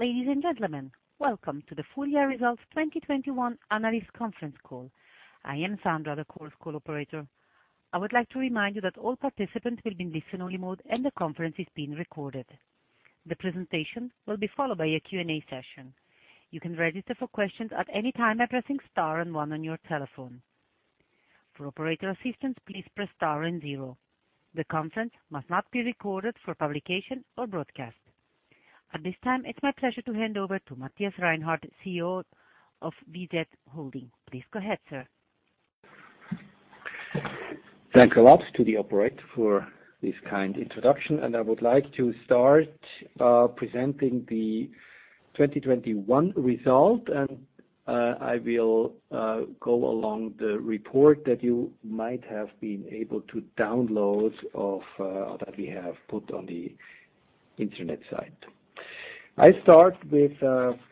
Ladies and gentlemen, welcome to the full year results 2021 analyst conference call. I am Sandra, the call's call operator. I would like to remind you that all participants will be in listen-only mode and the conference is being recorded. The presentation will be followed by a Q&A session. You can register for questions at any time by pressing star and one on your telephone. For operator assistance, please press star and zero. The conference must not be recorded for publication or broadcast. At this time, it's my pleasure to hand over to Matthias Reinhart, CEO of VZ Holding. Please go ahead, sir. Thanks a lot to the operator for this kind introduction. I would like to start presenting the 2021 result. I will go along the report that you might have been able to download that we have put on the internet site. I start with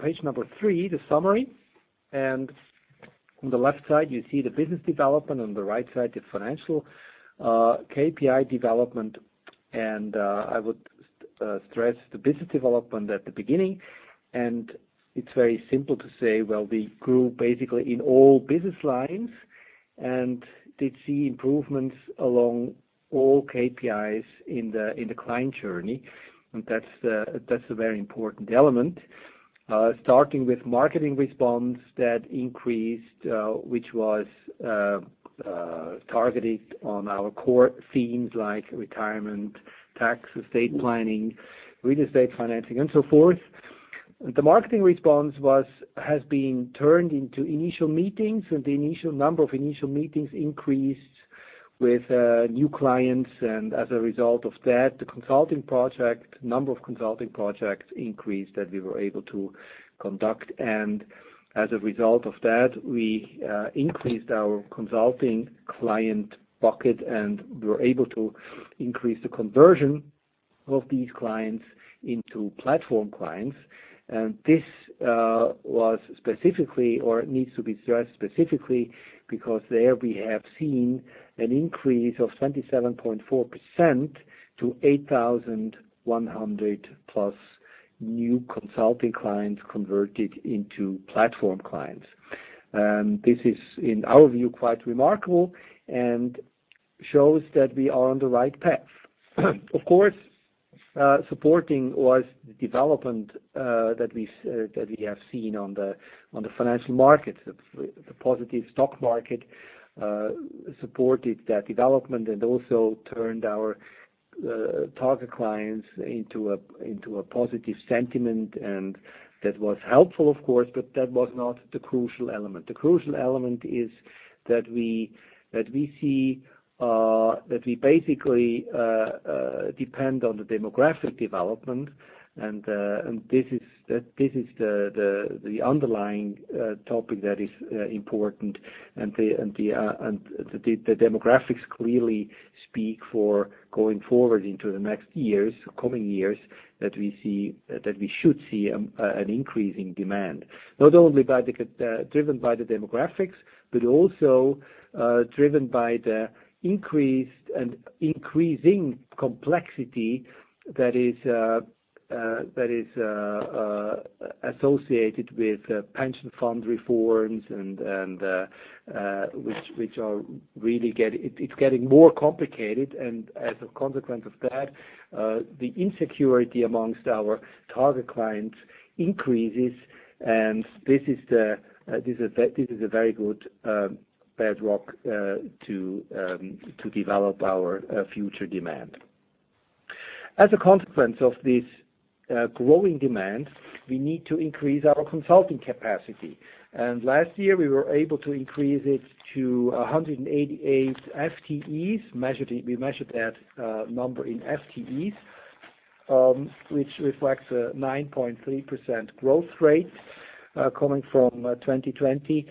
page 3, the summary, and on the left side you see the business development, on the right side, the financial KPI development. I would stress the business development at the beginning, and it's very simple to say, well, we grew basically in all business lines and did see improvements along all KPIs in the client journey. That's a very important element. Starting with marketing response that increased, which was targeted on our core themes like retirement, tax, estate planning, real estate financing, and so forth. The marketing response has been turned into initial meetings, and the initial number of meetings increased with new clients. As a result of that, the number of consulting projects increased that we were able to conduct. As a result of that, we increased our consulting client bucket, and we were able to increase the conversion of these clients into platform clients. This was specifically, or needs to be stressed specifically because there we have seen an increase of 77.4% to 8,100 plus new consulting clients converted into platform clients. This is in our view quite remarkable and shows that we are on the right path. Of course, supporting was the development that we have seen on the financial markets. The positive stock market supported that development and also turned our target clients into a positive sentiment. That was helpful of course, but that was not the crucial element. The crucial element is that we see that we basically depend on the demographic development and this is the underlying topic that is important. The demographics clearly speak for going forward into the next years, coming years, that we should see an increase in demand. Not only driven by the demographics, but also driven by the increased and increasing complexity that is associated with pension fund reforms and which are really getting more complicated. As a consequence of that, the insecurity among our target clients increases. This is a very good bedrock to develop our future demand. As a consequence of this growing demand, we need to increase our consulting capacity. Last year, we were able to increase it to 188 FTEs. We measured that number in FTEs, which reflects a 9.3% growth rate coming from 2020.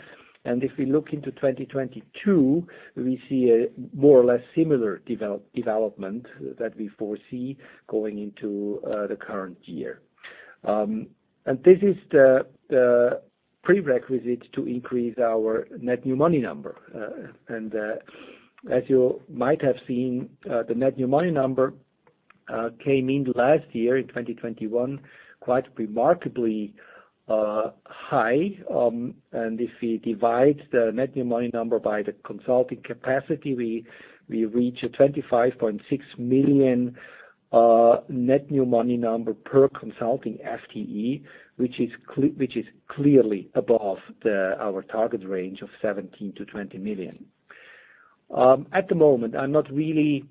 If we look into 2022, we see a more or less similar development that we foresee going into the current year. This is the prerequisite to increase our net new money number. As you might have seen, the net new money number came in last year in 2021, quite remarkably high. If we divide the net new money number by the consulting capacity, we reach a 25.6 million net new money number per consulting FTE, which is clearly above our target range of 17-20 million. At the moment, I'm not really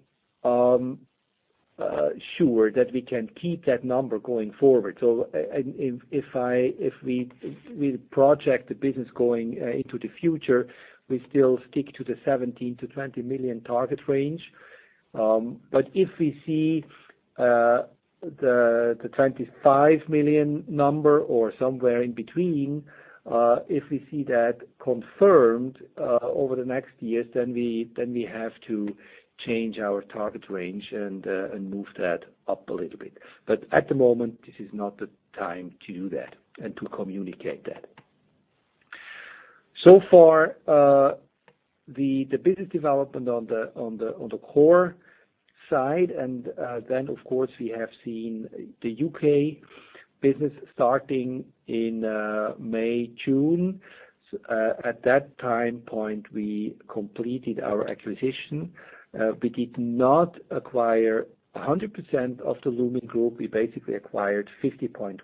sure that we can keep that number going forward. If we project the business going into the future, we still stick to the 17 million-20 million target range. If we see the 25 million number or somewhere in between, if we see that confirmed over the next years, then we have to change our target range and move that up a little bit. At the moment, this is not the time to do that and to communicate that. So far, the business development on the core side and then of course we have seen the U.K. business starting in May, June. At that time point we completed our acquisition. We did not acquire 100% of The Lumin Group. We basically acquired 50.1%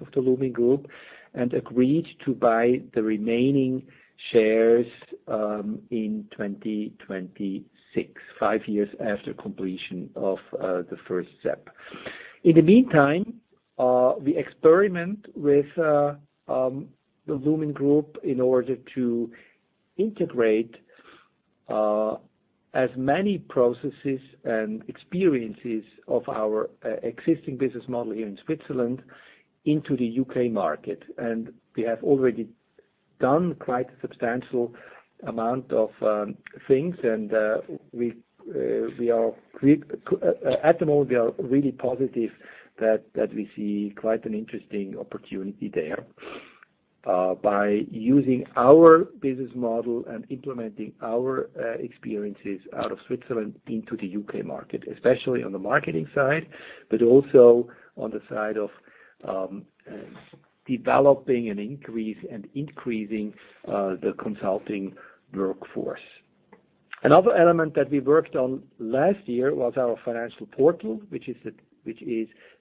of The Lumin Group and agreed to buy the remaining shares in 2026, 5 years after completion of the first step. In the meantime, we experiment with The Lumin Group in order to integrate as many processes and experiences of our existing business model here in Switzerland into the U.K. market. We have already done quite a substantial amount of things and we are, at the moment, really positive that we see quite an interesting opportunity there by using our business model and implementing our experiences out of Switzerland into the U.K. market, especially on the marketing side, but also on the side of developing and increasing the consulting workforce. Another element that we worked on last year was our financial portal, which is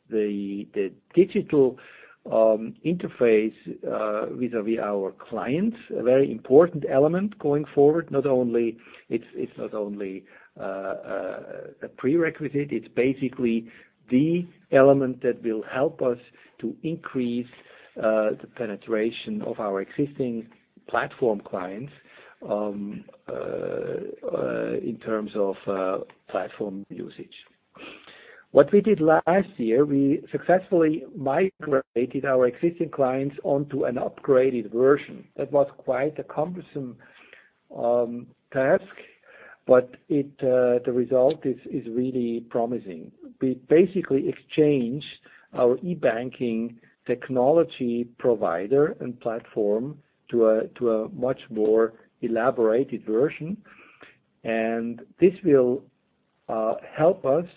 the digital interface vis-à-vis our clients, a very important element going forward. It's not only a prerequisite, it's basically the element that will help us to increase the penetration of our existing platform clients in terms of platform usage. What we did last year, we successfully migrated our existing clients onto an upgraded version. That was quite a cumbersome task, but the result is really promising. We basically exchanged our e-banking technology provider and platform to a much more elaborated version. This will help us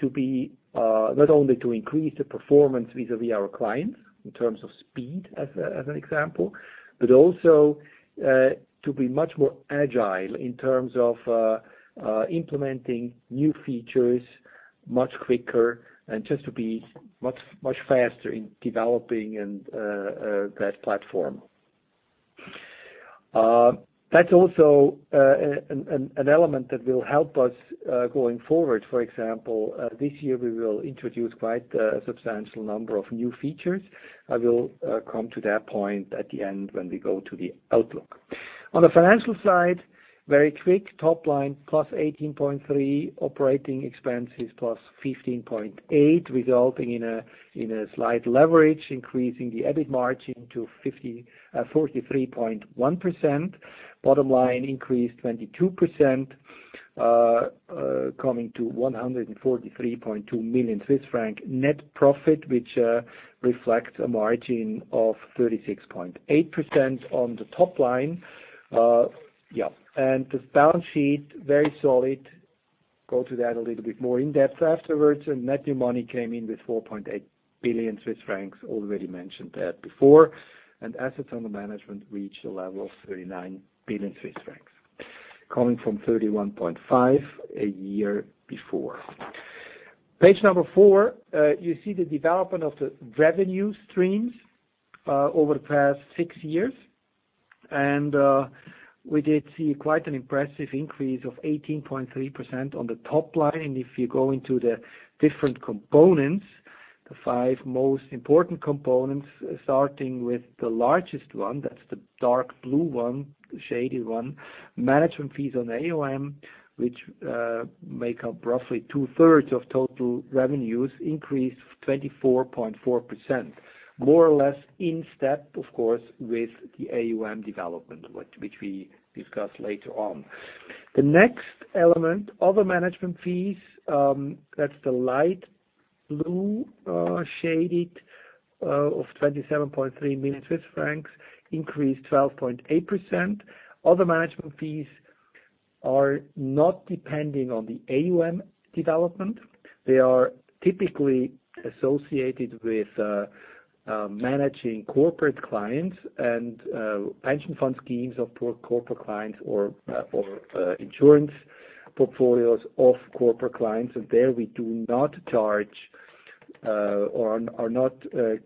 to be not only to increase the performance vis-à-vis our clients in terms of speed as an example, but also to be much more agile in terms of implementing new features much quicker and just to be much faster in developing and that platform. That's also an element that will help us going forward. For example, this year we will introduce quite a substantial number of new features. I will come to that point at the end when we go to the outlook. On the financial side, very quick top line +18.3%, operating expenses +15.8%, resulting in a slight leverage, increasing the EBIT margin to 43.1%. Bottom line increased 22%, coming to 143.2 million Swiss franc net profit, which reflects a margin of 36.8% on the top line. The balance sheet, very solid. Go to that a little bit more in depth afterwards. Net new money came in with 4.8 billion Swiss francs, already mentioned that before. Assets under management reached a level of 39 billion Swiss francs, coming from 31.5 billion a year before. Page number 4, you see the development of the revenue streams over the past six years. We did see quite an impressive increase of 18.3% on the top line. If you go into the different components, the five most important components, starting with the largest one, that's the dark blue one, the shaded one, management fees on the AUM, which make up roughly two-thirds of total revenues, increased 24.4%, more or less in step of course, with the AUM development, which we discuss later on. The next element, other management fees, that's the light blue shaded of 27.3 million Swiss francs, increased 12.8%. Other management fees are not depending on the AUM development. They are typically associated with managing corporate clients and pension fund schemes of corporate clients or insurance portfolios of corporate clients. There we do not charge or are not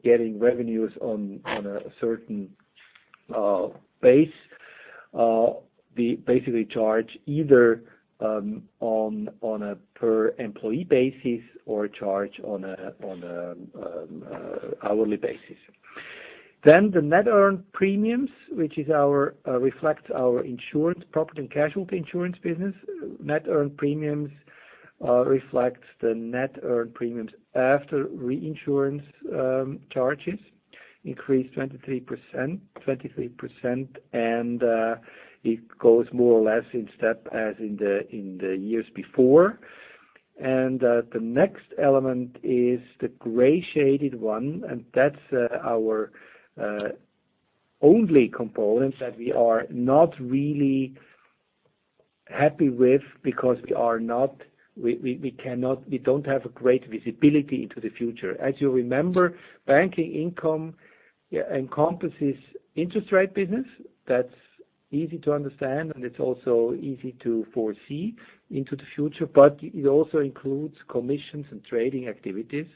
getting revenues on a certain base. We basically charge either on a per employee basis or charge on an hourly basis. The net earned premiums, which reflects our insurance, property and casualty insurance business. Net earned premiums reflect the net earned premiums after reinsurance charges increased 23%. It goes more or less in step as in the years before. The next element is the gray shaded one, and that's our only component that we are not really happy with because we don't have a great visibility into the future. As you remember, banking income encompasses interest rate business. That's easy to understand, and it's also easy to foresee into the future. But it also includes commissions and trading activities.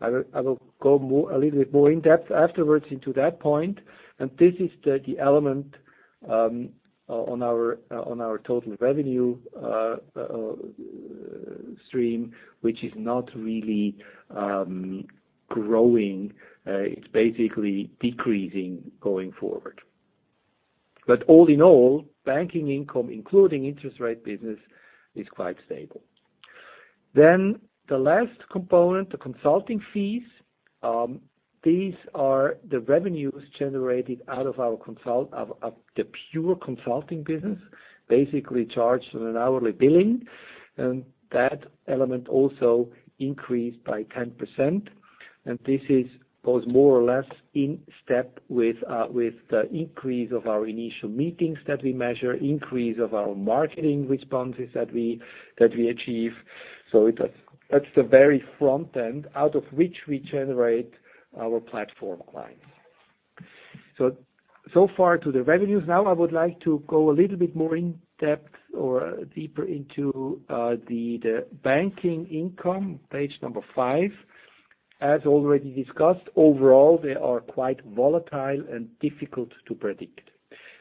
I will go a little bit more in depth afterwards into that point. This is the element on our total revenue stream, which is not really growing. It's basically decreasing going forward. All in all, banking income, including interest rate business, is quite stable. The last component, the consulting fees, these are the revenues generated out of the pure consulting business, basically charged on an hourly billing, and that element also increased by 10%. This is both more or less in step with the increase of our initial meetings that we measure, increase of our marketing responses that we achieve. That's the very front end out of which we generate our platform clients. So far to the revenues. Now, I would like to go a little bit more in depth or deeper into the banking income, page number five. As already discussed, overall, they are quite volatile and difficult to predict.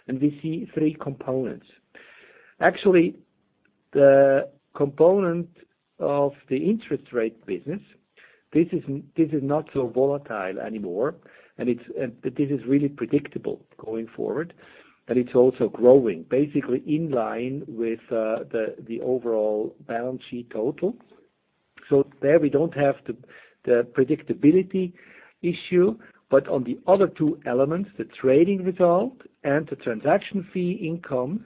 We see three components. Actually, the component of the interest rate business, this is not so volatile anymore, but this is really predictable going forward, and it's also growing basically in line with the overall balance sheet total. There we don't have the predictability issue, but on the other two elements, the trading result and the transaction fee income,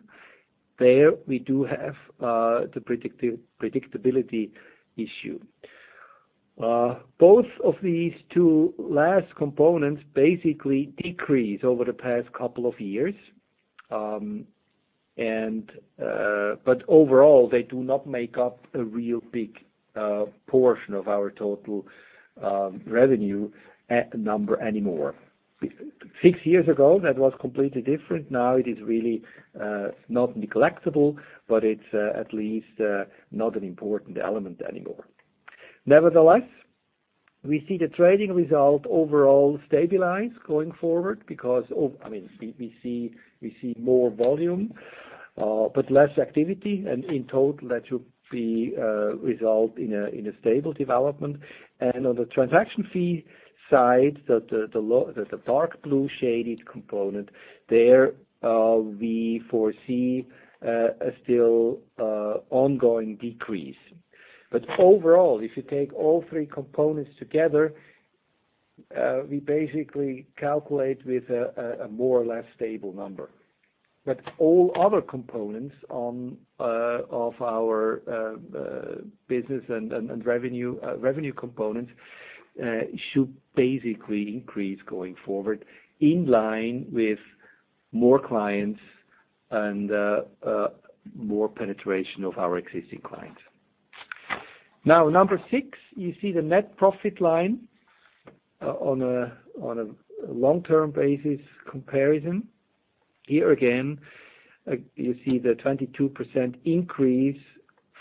there we do have the predictability issue. Both of these two last components basically decreased over the past couple of years. Overall, they do not make up a real big portion of our total revenue anymore. Six years ago, that was completely different. Now it is really not negligible, but it's at least not an important element anymore. Nevertheless, we see the trading result overall stabilize going forward. I mean, we see more volume but less activity. In total, that should result in a stable development. On the transaction fee side, the dark blue shaded component there, we foresee a still ongoing decrease. Overall, if you take all three components together, we basically calculate with a more or less stable number. All other components of our business and revenue components should basically increase going forward in line with more clients and more penetration of our existing clients. Now, number six, you see the net profit line on a long-term basis comparison. Here again, you see the 22% increase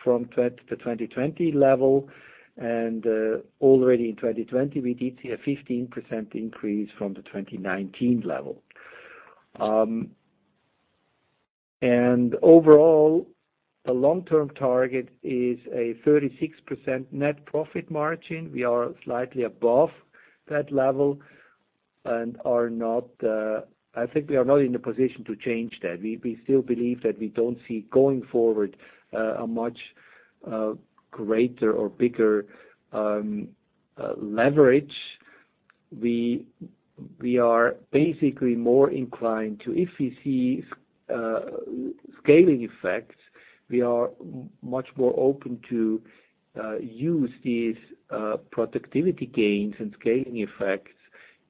from the 2020 level, and already in 2020, we did see a 15% increase from the 2019 level. And overall, the long-term target is a 36% net profit margin. We are slightly above that level and are not. I think we are not in a position to change that. We still believe that we don't see going forward a much greater or bigger leverage. We are basically more inclined to, if we see scaling effects, we are much more open to use these productivity gains and scaling effects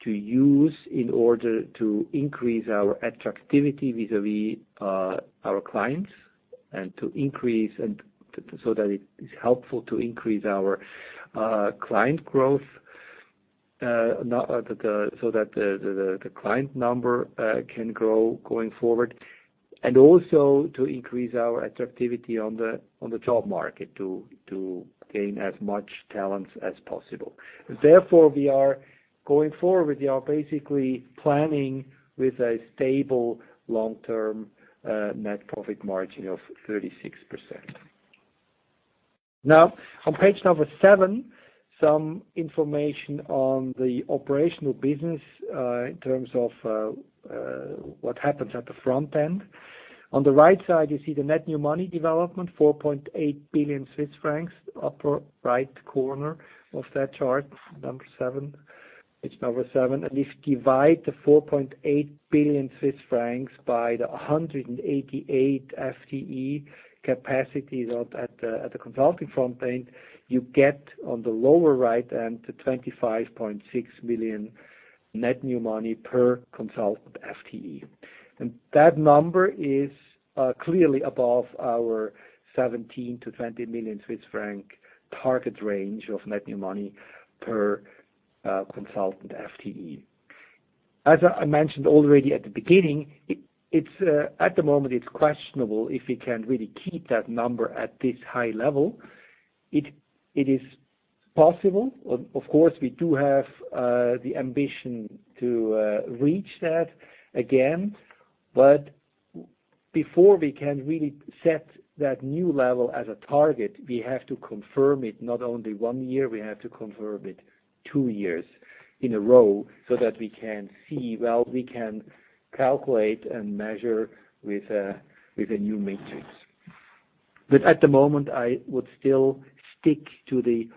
to use in order to increase our attractivity vis-à-vis our clients and to increase so that it's helpful to increase our client growth so that the client number can grow going forward, and also to increase our attractivity on the job market to gain as much talents as possible. Therefore, we are going forward. We are basically planning with a stable long-term net profit margin of 36%. Now on page 7, some information on the operational business in terms of what happens at the front end. On the right side, you see the net new money development, 4.8 billion Swiss francs, upper right corner of that chart, number seven. It's number seven. If you divide the 4.8 billion Swiss francs by the 188 FTE capacities at the consulting front end, you get on the lower right end to 25.6 million net new money per consultant FTE. That number is clearly above our 17 million-20 million Swiss franc target range of net new money per consultant FTE. As I mentioned already at the beginning, it's questionable at the moment if we can really keep that number at this high level. It is possible, of course, we do have the ambition to reach that again. Before we can really set that new level as a target, we have to confirm it, not only one year, we have to confirm it two years in a row so that we can see, we can calculate and measure with a new matrix. At the moment, I would still stick to the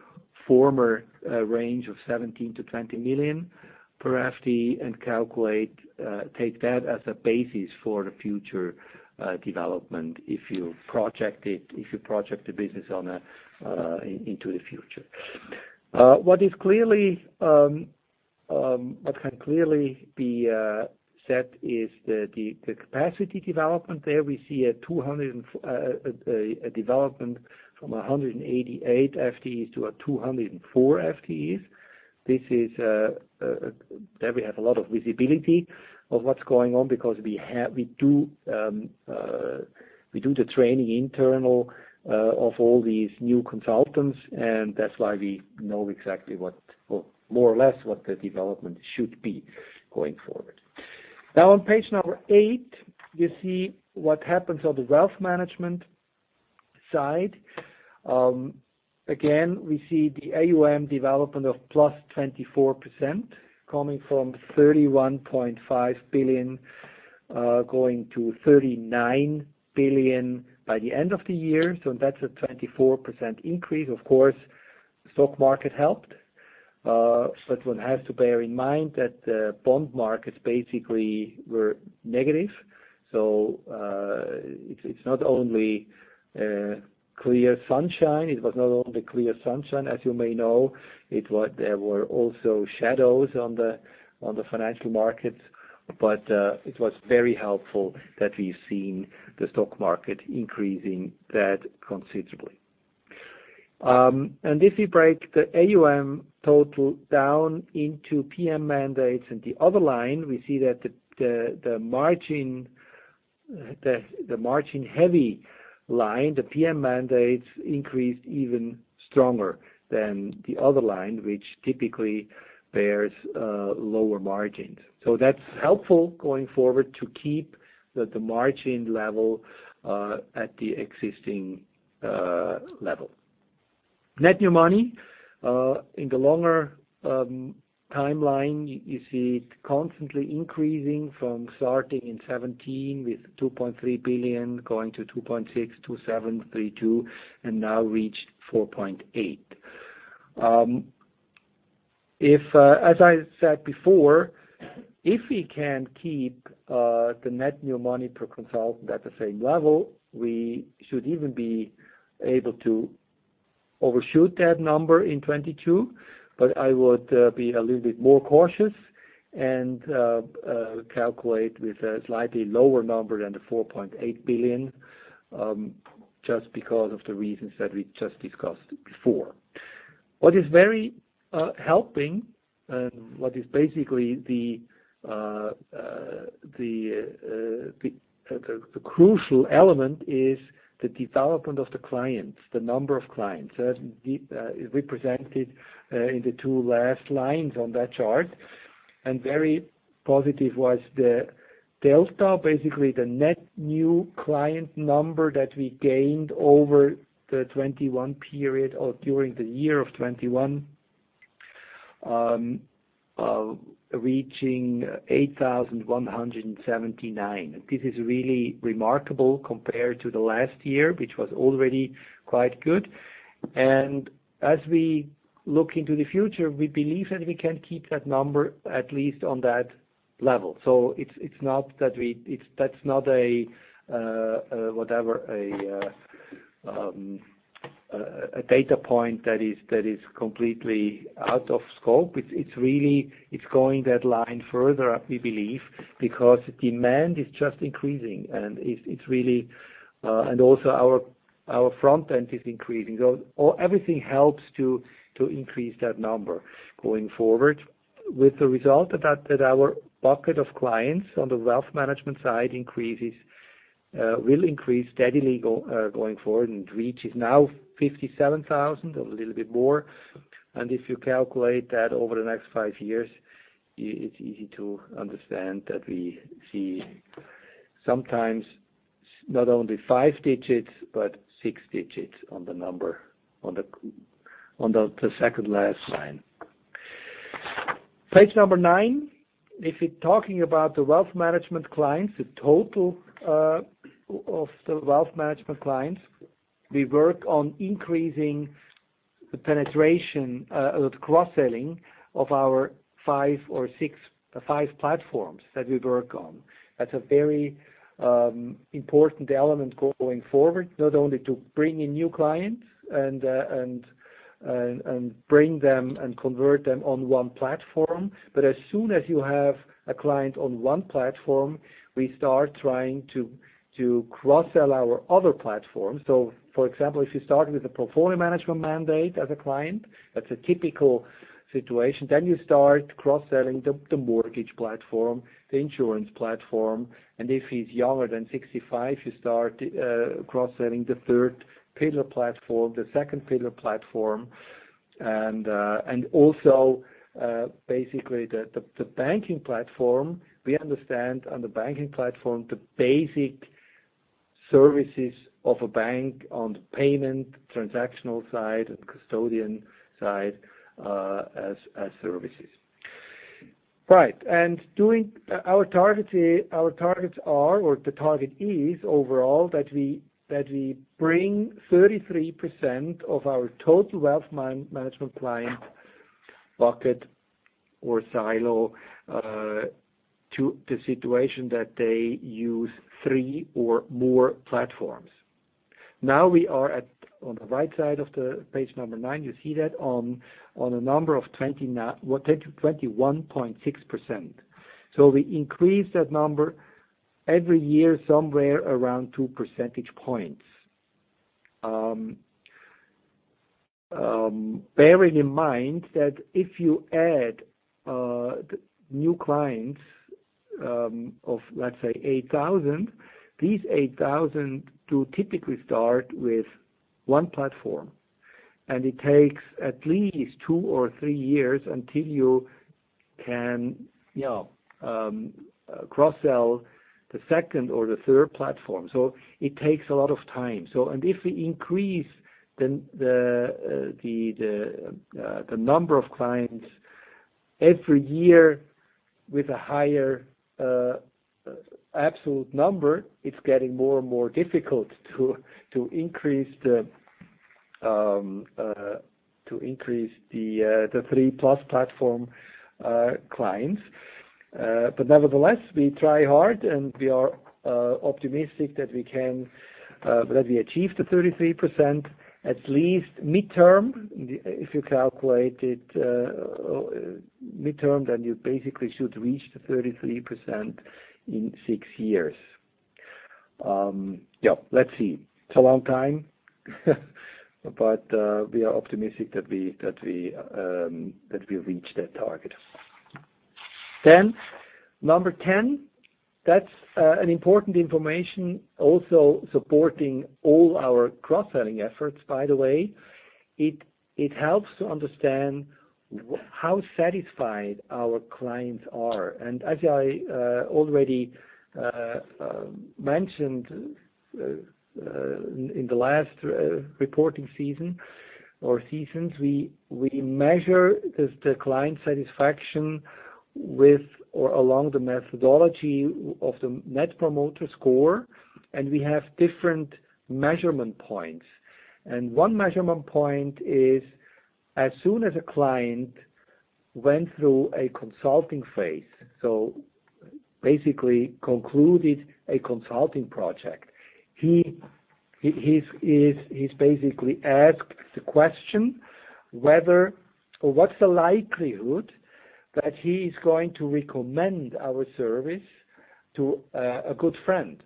former range of 17-20 million per FTE and calculate, take that as a basis for the future development if you project the business into the future. What can clearly be said is the capacity development. There we see a development from 188 FTEs to 204 FTEs. This is where we have a lot of visibility of what's going on because we do the internal training of all these new consultants, and that's why we know exactly what, or more or less what, the development should be going forward. Now on page number 8, you see what happens on the wealth management side. Again, we see the AUM development of plus 24% coming from 31.5 billion going to 39 billion by the end of the year. That's a 24% increase. Of course, stock market helped. One has to bear in mind that the bond markets basically were negative. It's not only clear sunshine. It was not only clear sunshine, as you may know. There were also shadows on the financial markets. It was very helpful that we've seen the stock market increasing that considerably. If you break the AUM total down into PM mandates in the other line, we see that the margin-heavy line, the PM mandates increased even stronger than the other line, which typically bears lower margins. That's helpful going forward to keep the margin level at the existing level. Net new money in the longer timeline, you see it constantly increasing from starting in 2017 with 2.3 billion, going to 2.6 billion, 2.7 billion, 3.2 billion, and now reached 4.8 billion. If, as I said before, we can keep the net new money per consultant at the same level, we should even be able to overshoot that number in 2022. I would be a little bit more cautious and calculate with a slightly lower number than the 4.8 billion just because of the reasons that we just discussed before. What is very helping and what is basically the crucial element is the development of the clients, the number of clients represented in the two last lines on that chart. Very positive was the delta, basically the net new client number that we gained over the 2021 period or during the year of 2021 reaching 8,179. This is really remarkable compared to the last year, which was already quite good. As we look into the future, we believe that we can keep that number at least on that level. It's not a data point that is completely out of scope. It's really going that line further up, we believe, because demand is just increasing, and it's really, and also our front end is increasing. Everything helps to increase that number going forward. With the result that our bucket of clients on the wealth management side will increase steadily going forward and reaches now 57,000 or a little bit more. If you calculate that over the next f5 years, it's easy to understand that we see sometimes not only 5 digits, but 6 digits on the number on the second last line. If you're talking about the wealth management clients, the total of the wealth management clients, we work on increasing the penetration, the cross-selling of our 5 platforms that we work on. That's a very important element going forward, not only to bring in new clients and bring them and convert them on one platform, but as soon as you have a client on one platform, we start trying to cross-sell our other platforms. For example, if you start with a portfolio management mandate as a client, that's a typical situation, then you start cross-selling the mortgage platform, the insurance platform, and if he's younger than 65, you start cross-selling the third pillar platform, the second pillar platform, and also basically the banking platform. We understand on the banking platform, the basic services of a bank on the payment, transactional side and custodian side, as services. Right. Our targets are, or the target is overall, that we bring 33% of our total wealth management client bucket or silo to the situation that they use 3 or more platforms. Now we are at. On the right side of the page number 9, you see that on a number of 21.6%. So we increase that number every year, somewhere around 2 percentage points. Bearing in mind that if you add new clients of let's say 8,000, these 8,000 do typically start with one platform, and it takes at least 2 or 3 years until you can, you know, cross-sell the second or the third platform. It takes a lot of time. If we increase the number of clients every year with a higher absolute number, it's getting more and more difficult to increase the three-plus platform clients. But nevertheless, we try hard, and we are optimistic that we can achieve the 33% at least midterm. If you calculate it midterm, then you basically should reach the 33% in 6 years. Yeah, let's see. It's a long time, but we are optimistic that we'll reach that target. Number 10, that's an important information also supporting all our cross-selling efforts, by the way. It helps to understand how satisfied our clients are. As I already mentioned in the last reporting season or seasons, we measure the client satisfaction with or along the methodology of the Net Promoter Score, and we have different measurement points. One measurement point is, as soon as a client went through a consulting phase, so basically concluded a consulting project, he is basically asked the question whether or what's the likelihood that he is going to recommend our service to a good friend.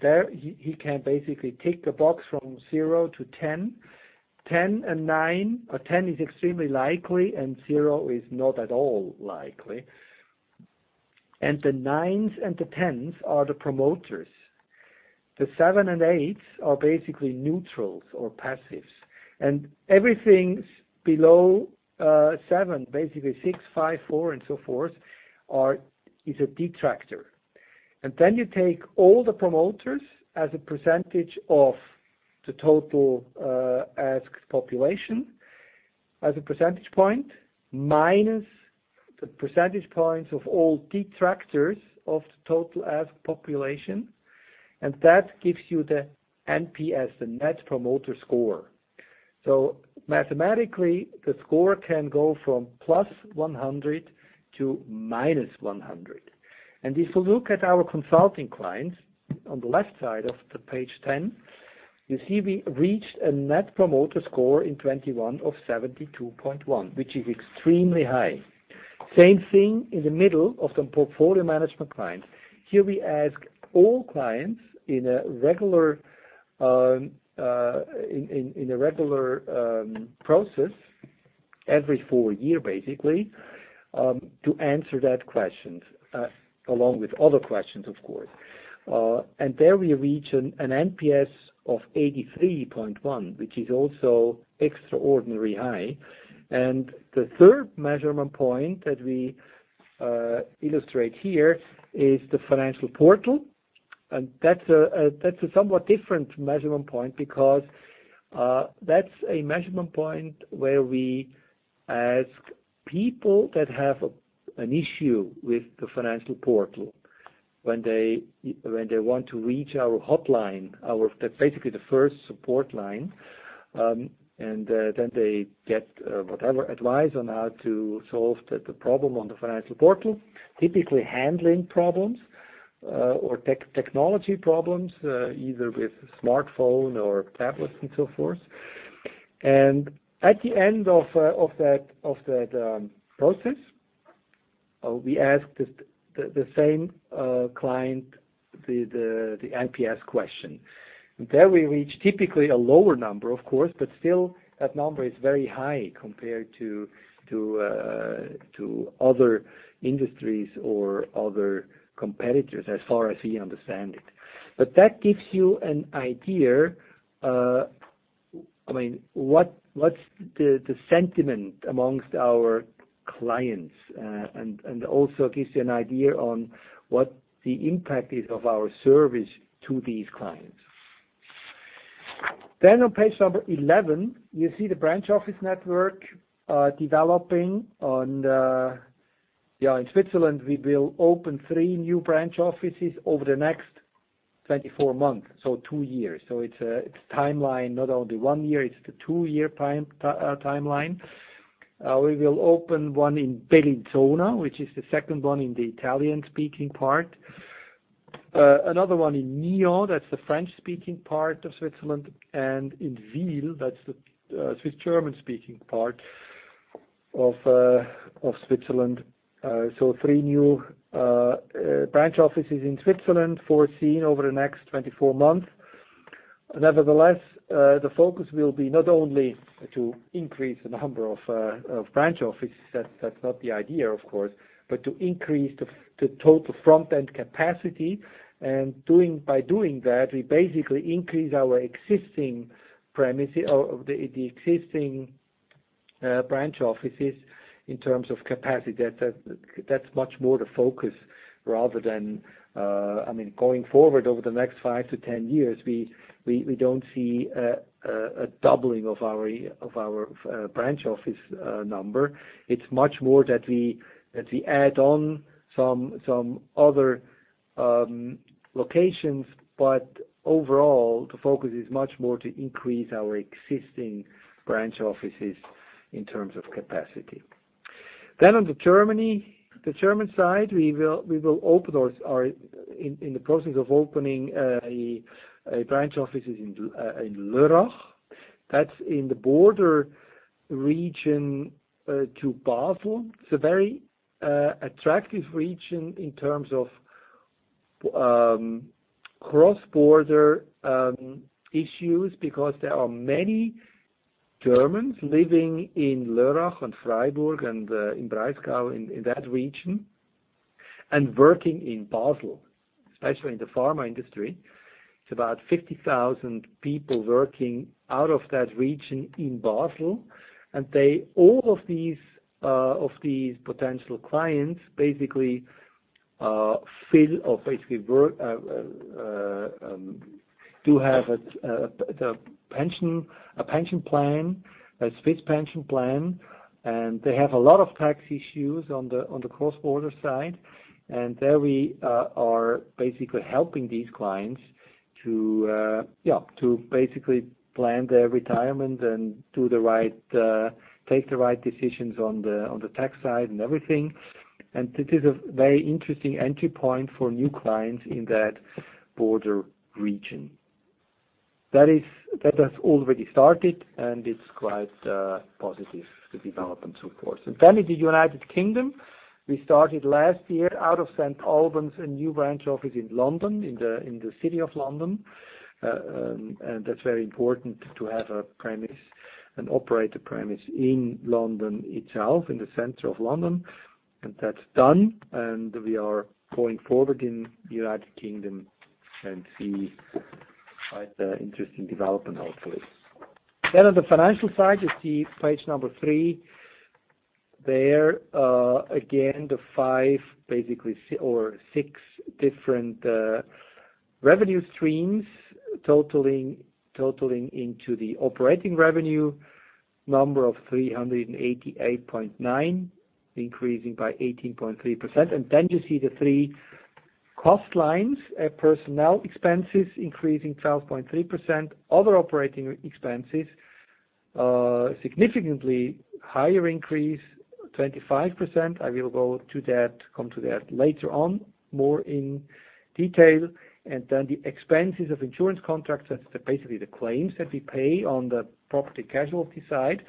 There he can basically tick a box from zero to 10. 10 is extremely likely, and zero is not at all likely. The 9s and the 10s are the promoters. The 7s and 8s are basically neutrals or passives. Everything below 7, basically 6, 5, 4 and so forth is a detractor. You take all the promoters as a percentage of the total asked population as a percentage point, minus the percentage points of all detractors of the total asked population, and that gives you the NPS, the Net Promoter Score. Mathematically, the score can go from +100 to -100. If you look at our consulting clients on the left side of page 10, you see we reached a Net Promoter Score in 2021 of 72.1, which is extremely high. Same thing in the middle of the portfolio management client. Here we ask all clients in a regular process every four years basically to answer that question along with other questions, of course. There we reach an NPS of 83.1, which is also extraordinary high. The third measurement point that we illustrate here is the financial portal. That's a somewhat different measurement point because that's a measurement point where we ask people that have an issue with the financial portal when they want to reach our hotline. That's basically the first support line, and then they get whatever advice on how to solve the problem on the financial portal. Typically handling problems or technology problems either with smartphone or tablets and so forth. At the end of that process, we ask the same client the NPS question. There we reach typically a lower number, of course, but still that number is very high compared to other industries or other competitors as far as we understand it. That gives you an idea, I mean, what's the sentiment amongst our clients, and also gives you an idea on what the impact is of our service to these clients. On page 11, you see the branch office network developing in Switzerland. We will open three new branch offices over the next 24 months, so 2 years. It's a timeline, not only 1 year. It's the 2-year timeline. We will open one in Bellinzona, which is the second one in the Italian-speaking part. Another one in Nyon, that's the French-speaking part of Switzerland, and in Wil, that's the Swiss German-speaking part of Switzerland. Three new branch offices in Switzerland foreseen over the next 24 months. Nevertheless, the focus will be not only to increase the number of branch offices. That's not the idea, of course, but to increase the total front-end capacity. By doing that, we basically increase our existing premises or the existing branch offices in terms of capacity. That's much more the focus rather than, I mean, going forward over the next 5 to 10 years, we don't see a doubling of our branch office number. It's much more that we add on some other locations, but overall, the focus is much more to increase our existing branch offices in terms of capacity. On the German side, we will open or are in the process of opening branch offices in Lörrach. That's in the border region to Basel. It's a very attractive region in terms of cross-border issues because there are many Germans living in Lörrach and Freiburg and in Breisgau, in that region, and working in Basel, especially in the pharma industry. It's about 50,000 people working out of that region in Basel. They All of these potential clients basically live or basically work do have a pension, a pension plan, a Swiss pension plan, and they have a lot of tax issues on the cross-border side. There we are basically helping these clients to basically plan their retirement and take the right decisions on the tax side and everything. It is a very interesting entry point for new clients in that border region. That has already started, and it's quite positive, the developments, of course. In the United Kingdom, we started last year out of St Albans, a new branch office in London, in the city of London. That's very important to have a presence and operate a presence in London itself, in the center of London. That's done, and we are going forward in United Kingdom and see quite interesting development hopefully. On the financial side, you see page 3. There, again, the five basically or six different revenue streams totaling into the operating revenue number of 388.9, increasing by 18.3%. You see the three cost lines, personnel expenses increasing 12.3%. Other operating expenses, significantly higher increase, 25%. I will go to that, come to that later on more in detail. The expenses of insurance contracts, that's basically the claims that we pay on the property casualty side,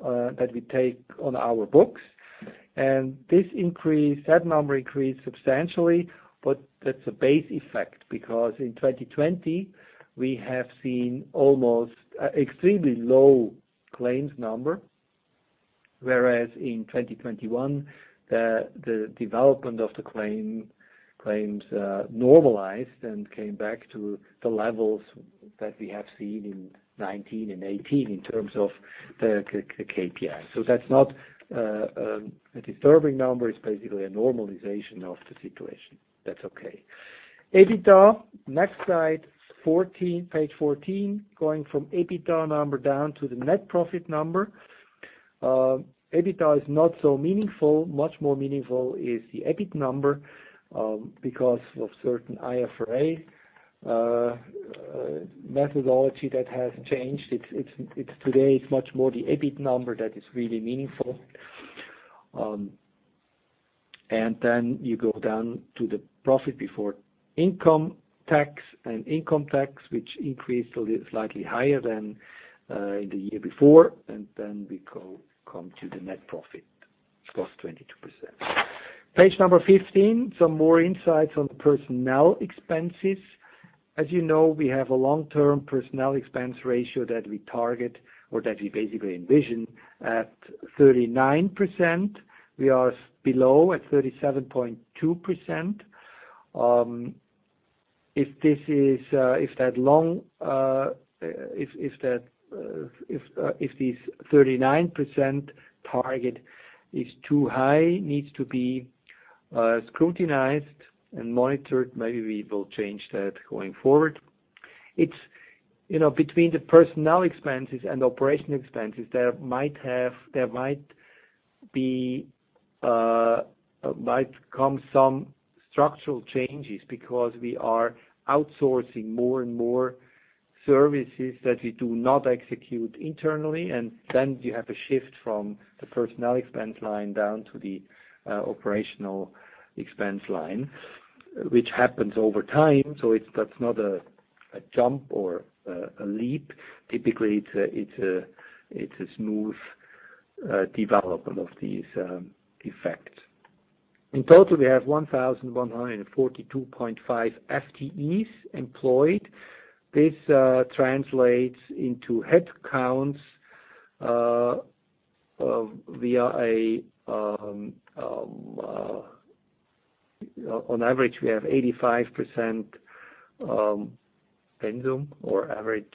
that we take on our books. This increase, that number increased substantially, but that's a base effect because in 2020, we have seen almost extremely low claims number. Whereas in 2021, the development of the claims normalized and came back to the levels that we have seen in 2019 and 2018 in terms of the KPI. That's not a disturbing number. It's basically a normalization of the situation. That's okay. EBITDA, next slide 14, page 14, going from EBITDA number down to the net profit number. EBITDA is not so meaningful. Much more meaningful is the EBIT number because of certain IFRS methodology that has changed. It's today, it's much more the EBIT number that is really meaningful. You go down to the profit before income tax and income tax, which increased slightly higher than the year before. Then we come to the net profit, +22%. Page 15, some more insights on personnel expenses. As you know, we have a long-term personnel expense ratio that we target or that we basically envision at 39%. We are below at 37.2%. If this 39% target is too high, it needs to be scrutinized and monitored, maybe we will change that going forward. It's, you know, between the personnel expenses and operational expenses, there might be some structural changes because we are outsourcing more and more services that we do not execute internally. You have a shift from the personnel expense line down to the operational expense line, which happens over time. It's not a jump or a leap. Typically, it's a smooth development of these effects. In total, we have 1,142.5 FTEs employed. This translates into headcounts on average, we have 85% full-time or average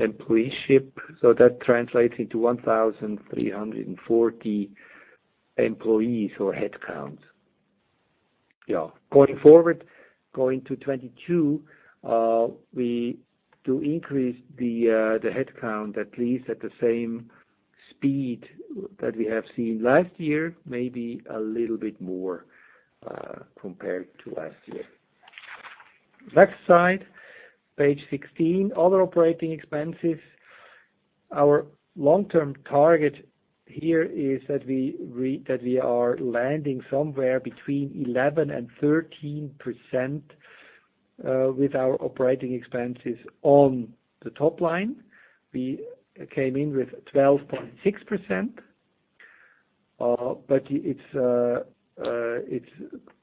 employment. That translates into 1,340 employees or headcounts. Yeah. Going forward, going to 2022, we do increase the headcount at least at the same speed that we have seen last year, maybe a little bit more compared to last year. Next slide, page 16, other operating expenses. Our long-term target here is that we are landing somewhere between 11%-13% with our operating expenses on the top line. We came in with 12.6%. It's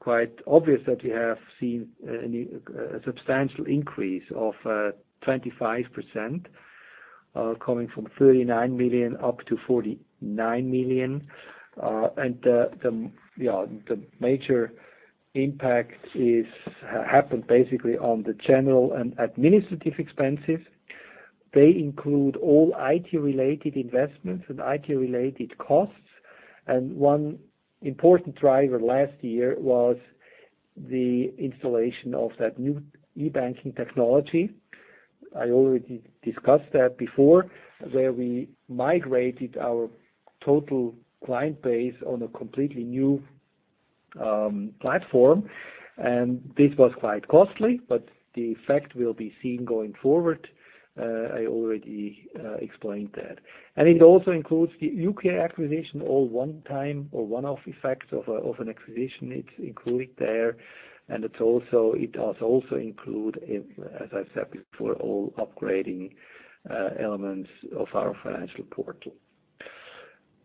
quite obvious that we have seen a substantial increase of 25%, coming from 39 million up to 49 million. The major impact happened basically on the general and administrative expenses. They include all IT-related investments and IT-related costs. One important driver last year was the installation of that new e-banking technology. I already discussed that before, where we migrated our total client base on a completely new platform. This was quite costly, but the effect will be seen going forward. I already explained that. It also includes the UK acquisition, all one time or one off effect of an acquisition. It's included there. It also includes, as I said before, all upgrading elements of our financial portal.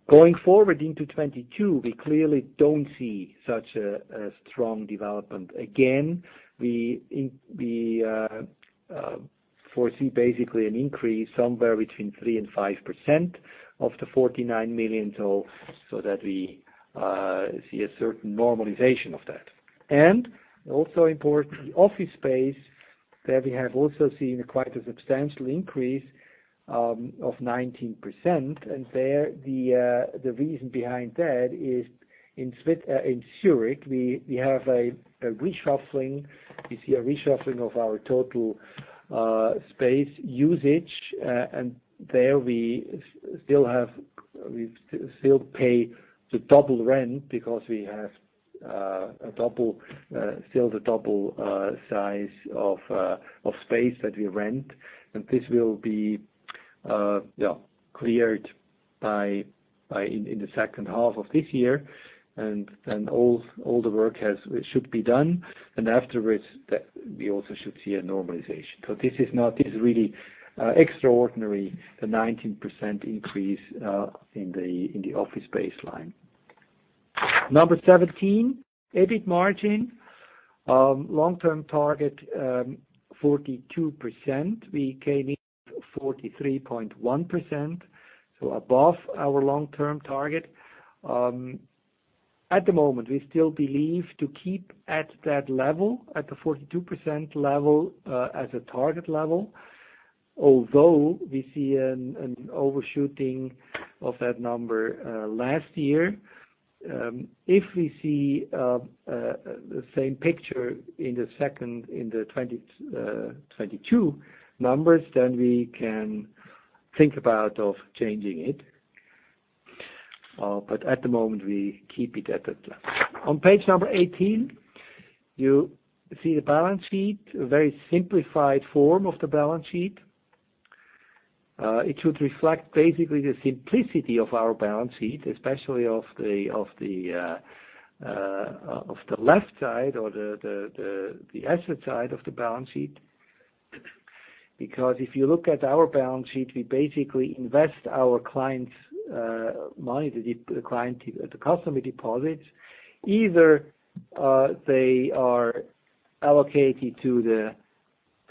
Going forward into 2022, we clearly don't see such a strong development. Again, we foresee basically an increase somewhere between 3%-5% of the 49 million, so that we see a certain normalization of that. Also important, the office space, there we have also seen quite a substantial increase of 19%. There, the reason behind that is in Zurich, we have a reshuffling. We see a reshuffling of our total space usage. There we still pay the double rent because we have a double size of space that we rent. This will be cleared in the second half of this year. All the work should be done. Afterwards we should also see a normalization. This is really extraordinary, the 19% increase in the office baseline. Number 17, EBIT margin. Long-term target, 42%. We came in 43.1%, so above our long-term target. At the moment, we still believe to keep at that level, at the 42% level, as a target level. Although we see an overshooting of that number last year, if we see the same picture in the 2022 numbers, then we can think about of changing it. But at the moment, we keep it at that level. On page 18, you see the balance sheet, a very simplified form of the balance sheet. It should reflect basically the simplicity of our balance sheet, especially of the left side or the asset side of the balance sheet. Because if you look at our balance sheet, we basically invest our clients' money, the customer deposits. Either they are allocated to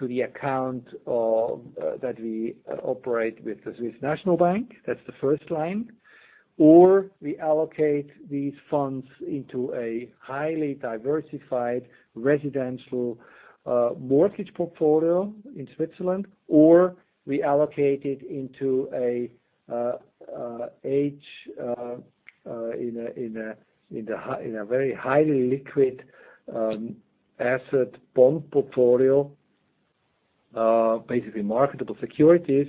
the account that we operate with the Swiss National Bank. That's the first line, or we allocate these funds into a highly diversified residential mortgage portfolio in Switzerland, or we allocate it into a HQLA in a very highly liquid asset bond portfolio, basically marketable securities.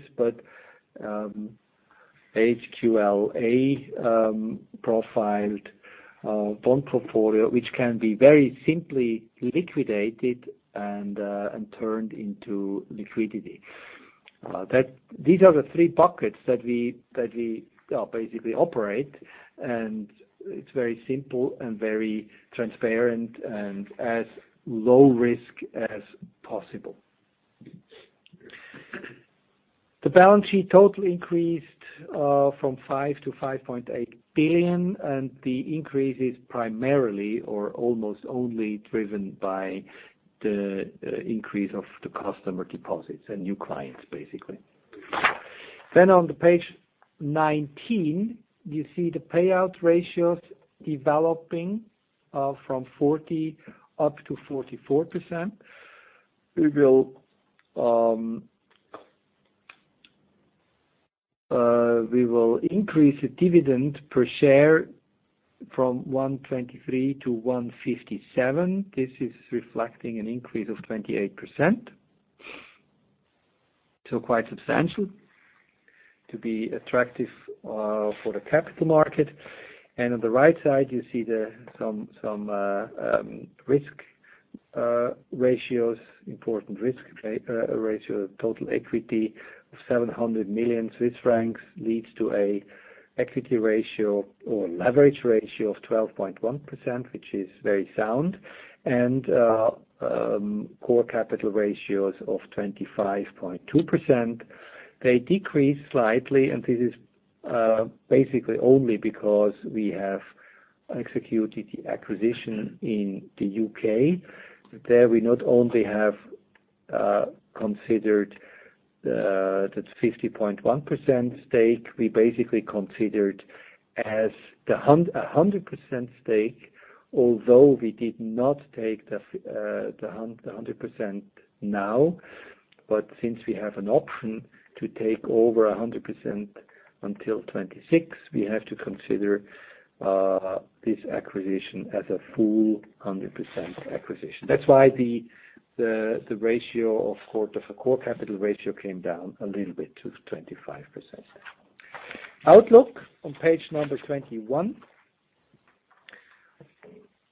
HQLA profiled bond portfolio, which can be very simply liquidated and turned into liquidity. These are the three buckets that we basically operate, and it's very simple and very transparent and as low risk as possible. The balance sheet total increased from 5 billion to 5.8 billion, and the increase is primarily or almost only driven by the increase of the customer deposits and new clients, basically. On the page 19, you see the payout ratios developing from 40% to 44%. We will increase the dividend per share from 1.23 to 1.57. This is reflecting an increase of 28%. Quite substantial to be attractive for the capital market. On the right side, you see some important risk ratios. Total equity of 700 million Swiss francs leads to an equity ratio or leverage ratio of 12.1%, which is very sound. Core capital ratios of 25.2%, they decrease slightly. This is basically only because we have executed the acquisition in the UK. There we not only have considered the 50.1% stake, we basically considered as the 100% stake, although we did not take the 100% now. Since we have an option to take over 100% until 2026, we have to consider this acquisition as a full 100% acquisition. That's why the ratio of the core capital ratio came down a little bit to 25%. Outlook on page number 21.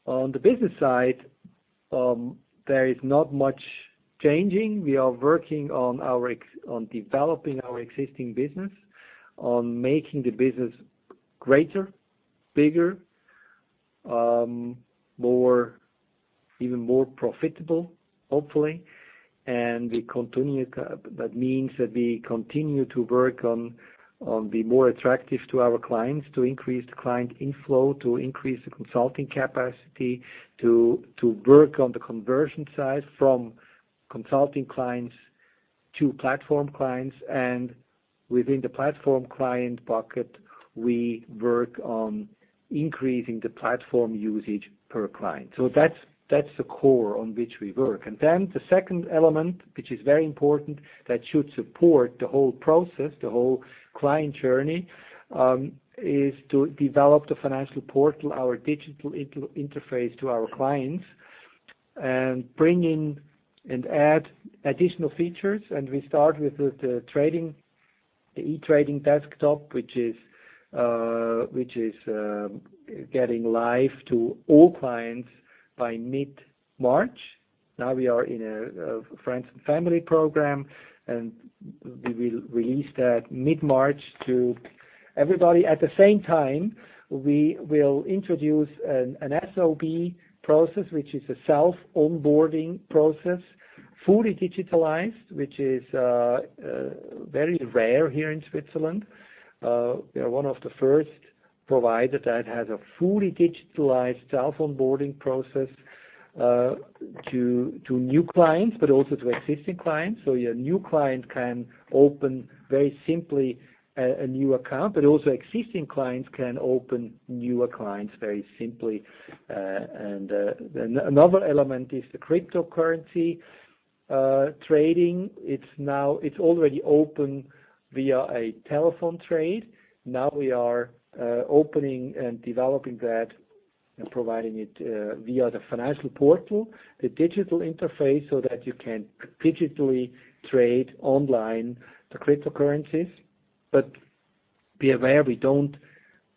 On the business side, there is not much changing. We are working on developing our existing business, on making the business greater, bigger, more, even more profitable, hopefully. That means that we continue to work on being more attractive to our clients, to increase the client inflow, to increase the consulting capacity, to work on the conversion side from consulting clients to platform clients. Within the platform client bucket, we work on increasing the platform usage per client. That's the core on which we work. The second element, which is very important, that should support the whole process, the whole client journey, is to develop the financial portal, our digital interface to our clients, and bring in and add additional features. We start with the E-Trading desktop, which is getting live to all clients by mid-March. Now we are in a friends and family program, and we will release that mid-March to everybody. At the same time, we will introduce an SOB process, which is a self-onboarding process, fully digitalized, which is very rare here in Switzerland. We are one of the first provider that has a fully digitalized self-onboarding process to new clients, but also to existing clients. Your new client can open very simply a new account, but also existing clients can open new accounts very simply. And another element is the cryptocurrency trading. It's already open via a telephone trade. Now we are opening and developing that and providing it via the financial portal, the digital interface, so that you can digitally trade online the cryptocurrencies. But be aware, we don't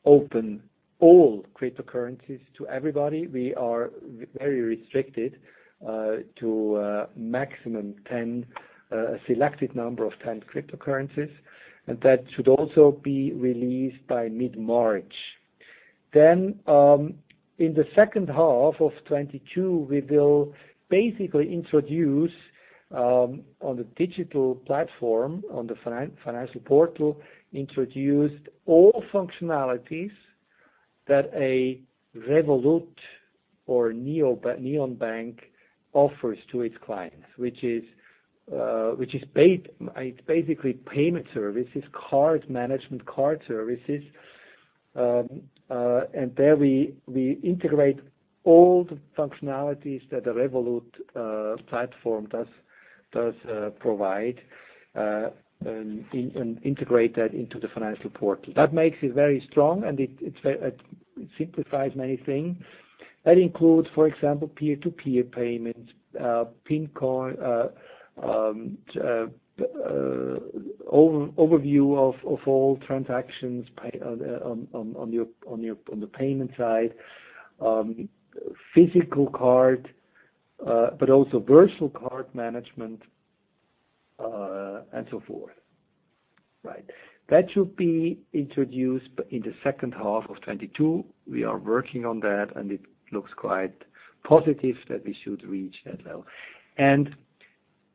open all cryptocurrencies to everybody. We are very restricted to a maximum 10, a selected number of 10 cryptocurrencies, and that should also be released by mid-March. In the second half of 2022, we will basically introduce on the digital platform, on the Financial Portal, all functionalities that a Revolut or Neon bank offers to its clients. Which is payment services, card management, card services. And there we integrate all the functionalities that a Revolut platform does provide and integrate that into the Financial Portal. That makes it very strong, and it simplifies many things. That includes, for example, peer-to-peer payments, crypto, overview of all transactions on the payment side. Physical card, but also virtual card management, and so forth. Right. That should be introduced in the second half of 2022. We are working on that, and it looks quite positive that we should reach that level.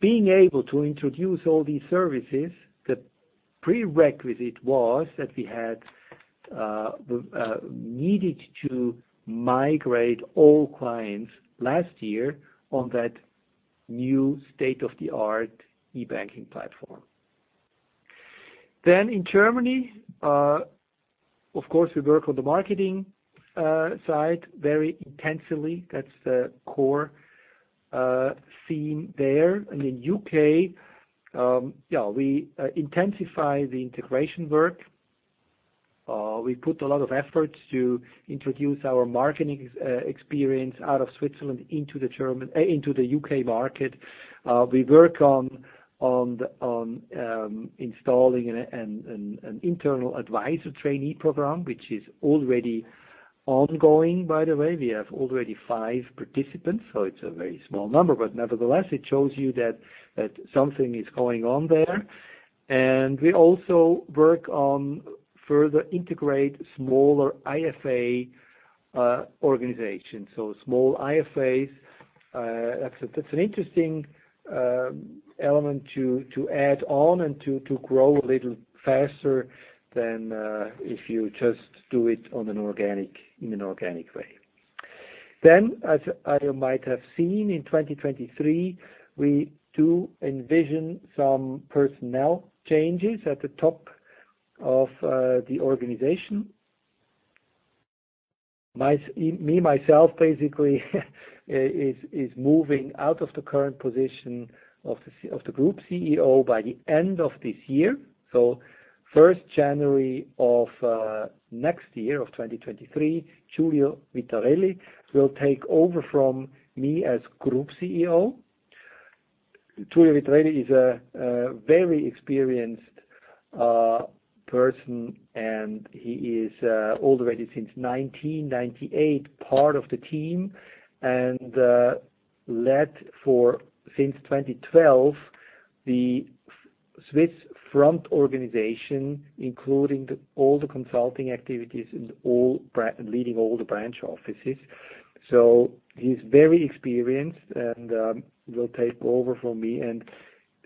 Being able to introduce all these services, the prerequisite was that we needed to migrate all clients last year on that new state-of-the-art e-banking platform. In Germany, of course, we work on the marketing side very intensely. That's the core theme there. In U.K., we intensify the integration work. We put a lot of efforts to introduce our marketing experience out of Switzerland into the U.K. market. We work on installing an internal advisor trainee program, which is already ongoing, by the way. We have already five participants, so it's a very small number, but nevertheless, it shows you that something is going on there. We also work on further integrate smaller IFA organization. Small IFAs, that's an interesting element to add on and to grow a little faster than if you just do it in an organic way. As you might have seen in 2023, we do envision some personnel changes at the top of the organization. Me, myself, basically is moving out of the current position of the Group CEO by the end of this year. First January of next year, of 2023, Giulio Vitarelli will take over from me as Group CEO. Giulio Vitarelli is a very experienced person, and he is already since 1998 part of the team, and led since 2012 the Swiss front organization, including all the consulting activities and leading all the branch offices. He's very experienced and will take over from me and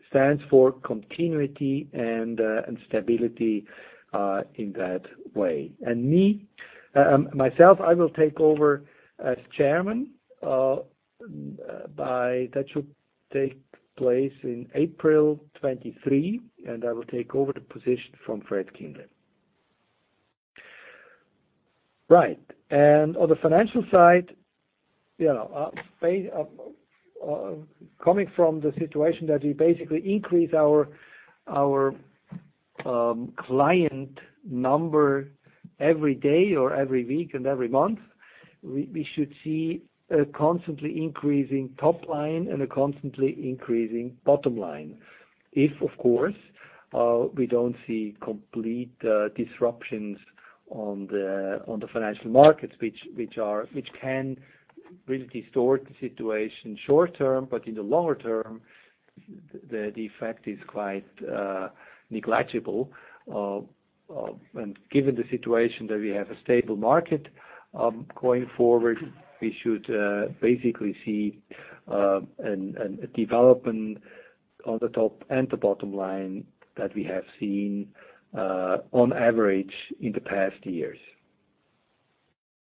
stands for continuity and stability in that way. I myself will take over as Chairman. That should take place in April 2023, and I will take over the position from Fred Kindle. Right. On the financial side, coming from the situation that we basically increase our client number every day or every week and every month, we should see a constantly increasing top line and a constantly increasing bottom line. If, of course, we don't see complete disruptions on the financial markets, which can really distort the situation short-term, but in the longer term, the effect is quite negligible. Given the situation that we have a stable market, going forward, we should basically see a development on the top and the bottom line that we have seen on average in the past years.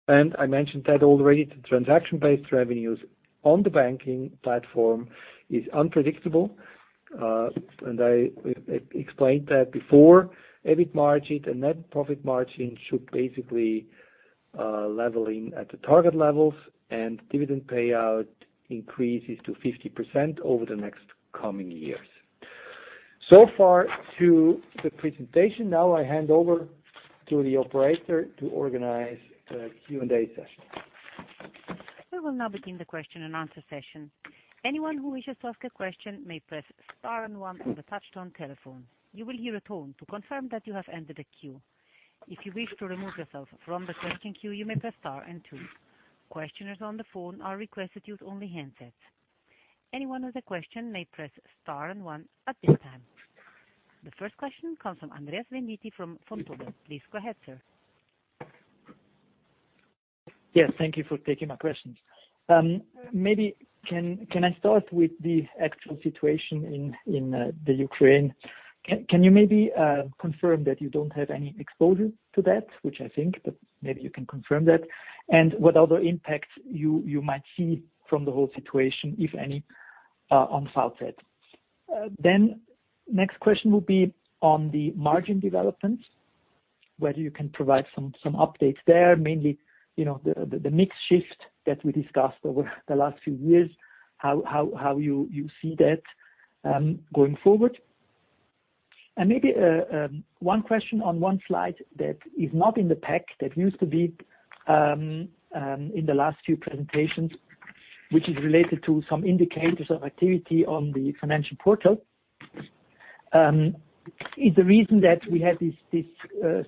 I mentioned that already, the transaction-based revenues on the banking platform is unpredictable, and I explained that before. EBIT margin and net profit margin should basically leveling at the target levels and dividend payout increases to 50% over the next coming years. So far to the presentation. Now I hand over to the operator to organize the Q&A session. We will now begin the question and answer session. Anyone who wishes to ask a question may press star and one on the touchtone telephone. You will hear a tone to confirm that you have entered the queue. If you wish to remove yourself from the question queue, you may press star and two. Questioners on the phone are requested to use only handsets. Anyone with a question may press star and one at this time. The first question comes from Andreas Venditti from Vontobel. Please go ahead, sir. Yes, thank you for taking my questions. Maybe can I start with the actual situation in the Ukraine? Can you maybe confirm that you don't have any exposure to that? Which I think, but maybe you can confirm that. What other impacts you might see from the whole situation, if any, on. [inaudible] Then next question will be on the margin developments, whether you can provide some updates there. Mainly, you know, the mix shift that we discussed over the last few years, how you see that going forward. Maybe one question on one slide that is not in the pack that used to be in the last few presentations, which is related to some indicators of activity on the financial portal. Is the reason that we had this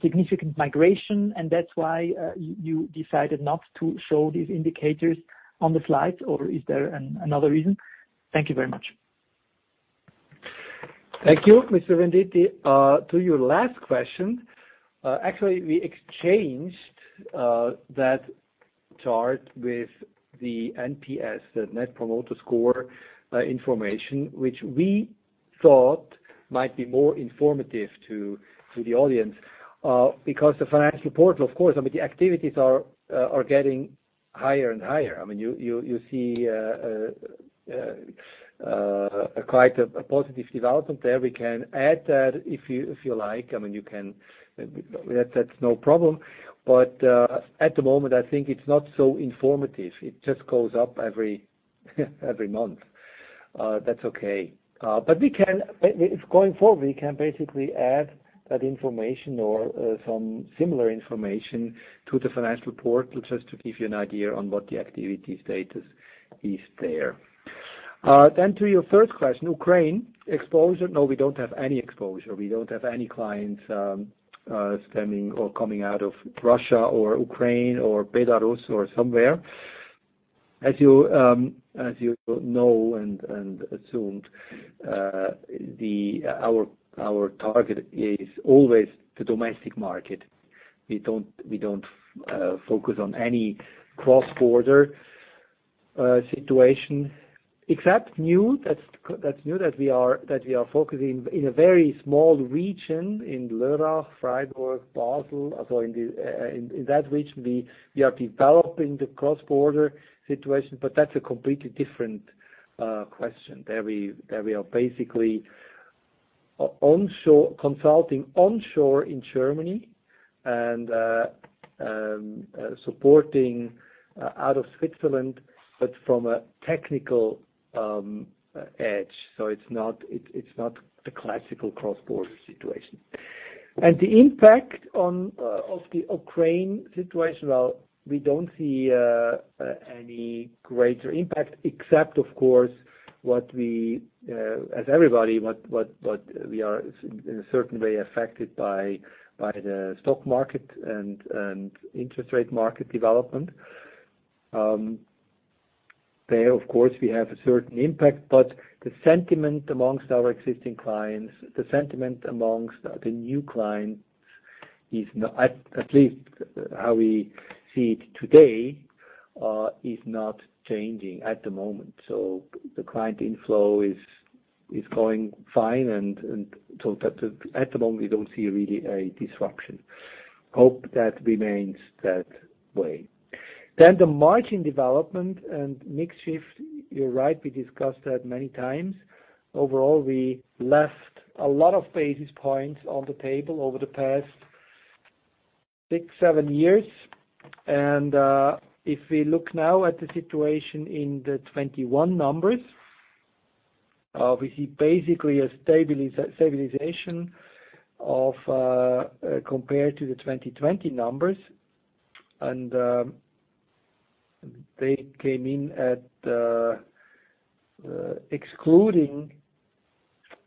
significant migration, and that's why you decided not to show these indicators on the slides, or is there another reason? Thank you very much. Thank you, Mr. Venditti. To your last question, actually, we exchanged that chart with the NPS, the Net Promoter Score, information, which we thought might be more informative to the audience. Because the financial portal, of course, I mean, the activities are getting higher and higher. I mean, you see quite a positive development there. We can add that if you like. I mean, you can. That's no problem. At the moment, I think it's not so informative. It just goes up every month. That's okay. Going forward, we can basically add that information or some similar information to the financial portal, just to give you an idea on what the activity status is there. To your third question, Ukraine exposure. No, we don't have any exposure. We don't have any clients stemming or coming out of Russia or Ukraine or Belarus or somewhere. As you know and assumed, our target is always the domestic market. We don't focus on any cross-border situation, except new, that's new that we are focusing in a very small region in Lörrach, Freiburg, Basel. In that region, we are developing the cross-border situation, but that's a completely different question. There we are basically onshore consulting onshore in Germany and supporting out of Switzerland, but from a technical edge. It's not the classical cross-border situation. The impact of the Ukraine situation, well, we don't see any greater impact, except of course, what we as everybody are in a certain way affected by the stock market and interest rate market development. There, of course, we have a certain impact, but the sentiment amongst our existing clients, the sentiment amongst the new clients is not changing at the moment, at least how we see it today. The client inflow is going fine, and so, at the moment, we don't see really a disruption. I hope that remains that way. The margin development and mix shift, you're right, we discussed that many times. Overall, we left a lot of basis points on the table over the past 6, 7 years. If we look now at the situation in the 2021 numbers, we see basically a stabilization compared to the 2020 numbers.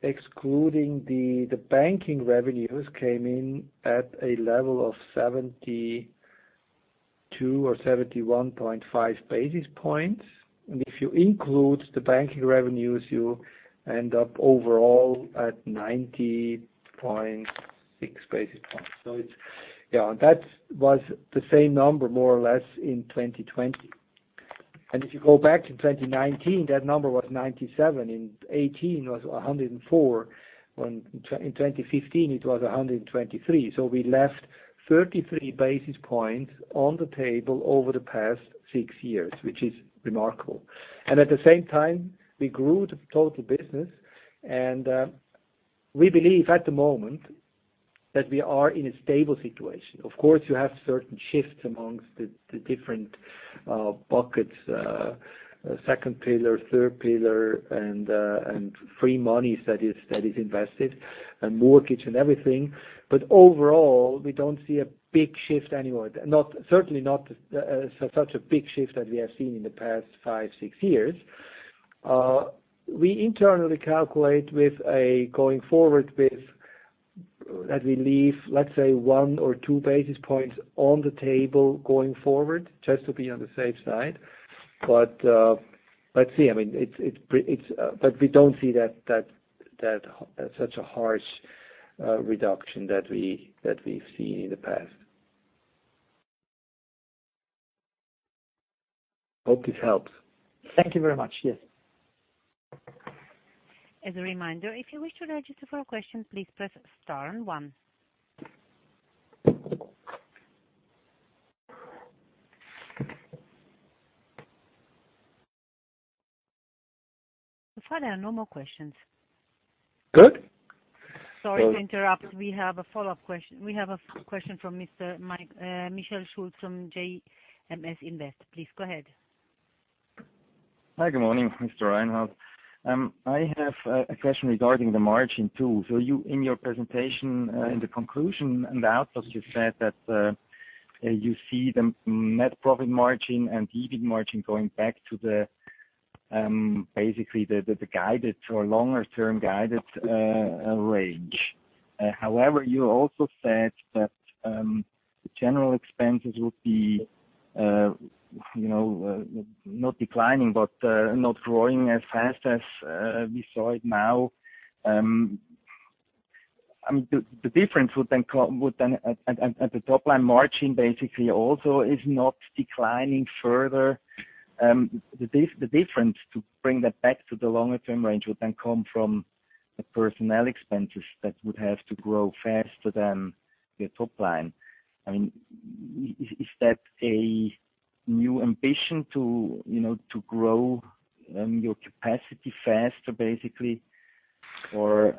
Excluding the banking revenues, they came in at a level of 72 or 71.5 basis points. If you include the banking revenues, you end up overall at 90.6 basis points. That was the same number more or less in 2020. If you go back to 2019, that number was 97, in 2018 was 104. In 2015, it was 123. We left 33 basis points on the table over the past 6 years, which is remarkable. At the same time, we grew the total business, and we believe at the moment that we are in a stable situation. Of course, you have certain shifts amongst the different buckets, second pillar, third pillar, and free monies that is invested and mortgage and everything. Overall, we don't see a big shift anywhere. Certainly not such a big shift that we have seen in the past 5, 6 years. We internally calculate going forward that we leave, let's say, one or two basis points on the table going forward, just to be on the safe side. Let's see. I mean, it's. But we don't see that such a harsh reduction that we've seen in the past. Hope this helps. Thank you very much. Yes. As a reminder, if you wish to register for a question, please press star and one. So far, there are no more questions. Good. Sorry to interrupt. We have a follow-up question. We have a question from Mr. Michael Schulz from JMS Invest. Please go ahead. Hi, good morning, Mr. Reinhart. I have a question regarding the margin too. You in your presentation in the conclusion and the outlook, you said that you see the net profit margin and EBIT margin going back to basically the guided or longer-term guided range. However, you also said that the general expenses would be you know not declining, but not growing as fast as we saw it now. I mean, the difference would then at the top line margin basically also is not declining further. The difference to bring that back to the longer-term range would then come from the personnel expenses that would have to grow faster than your top line. I mean, is that a new ambition to, you know, to grow your capacity faster, basically? How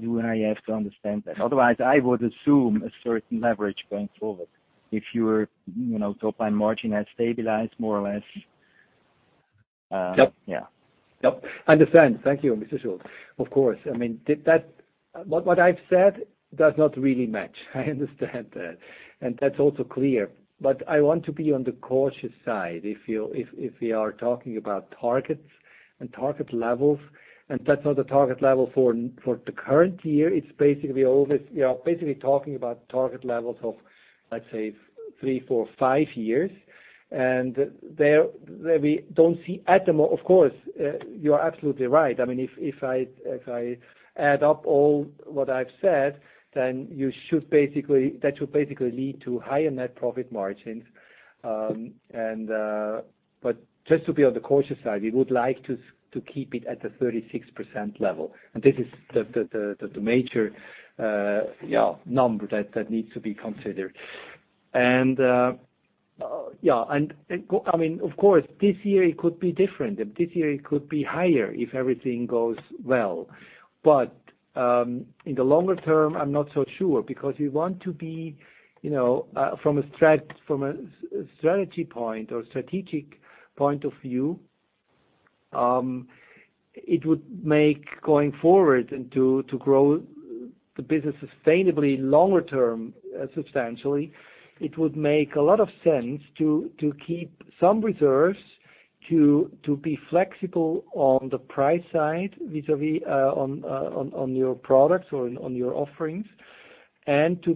do I have to understand that? Otherwise, I would assume a certain leverage going forward if your, you know, top-line margin has stabilized more or less. Yeah. Yep. Understand. Thank you, Mr. Schulz. Of course. I mean, what I've said does not really match. I understand that, and that's also clear. I want to be on the cautious side. If we are talking about targets and target levels, and that's not the target level for the current year, it's basically we are basically talking about target levels of, let's say, three, four, five years. There we don't see. Of course, you are absolutely right. I mean, if I add up all what I've said, then that should basically lead to higher net profit margins. And but just to be on the cautious side, we would like to keep it at the 36% level. This is the major number that needs to be considered. I mean, of course, this year it could be different, and this year it could be higher if everything goes well. In the longer term, I'm not so sure because we want to be, you know, from a strategic point of view, it would make going forward to grow the business sustainably longer term substantially a lot of sense to keep some reserves to be flexible on the price side vis-à-vis on your products or on your offerings, and to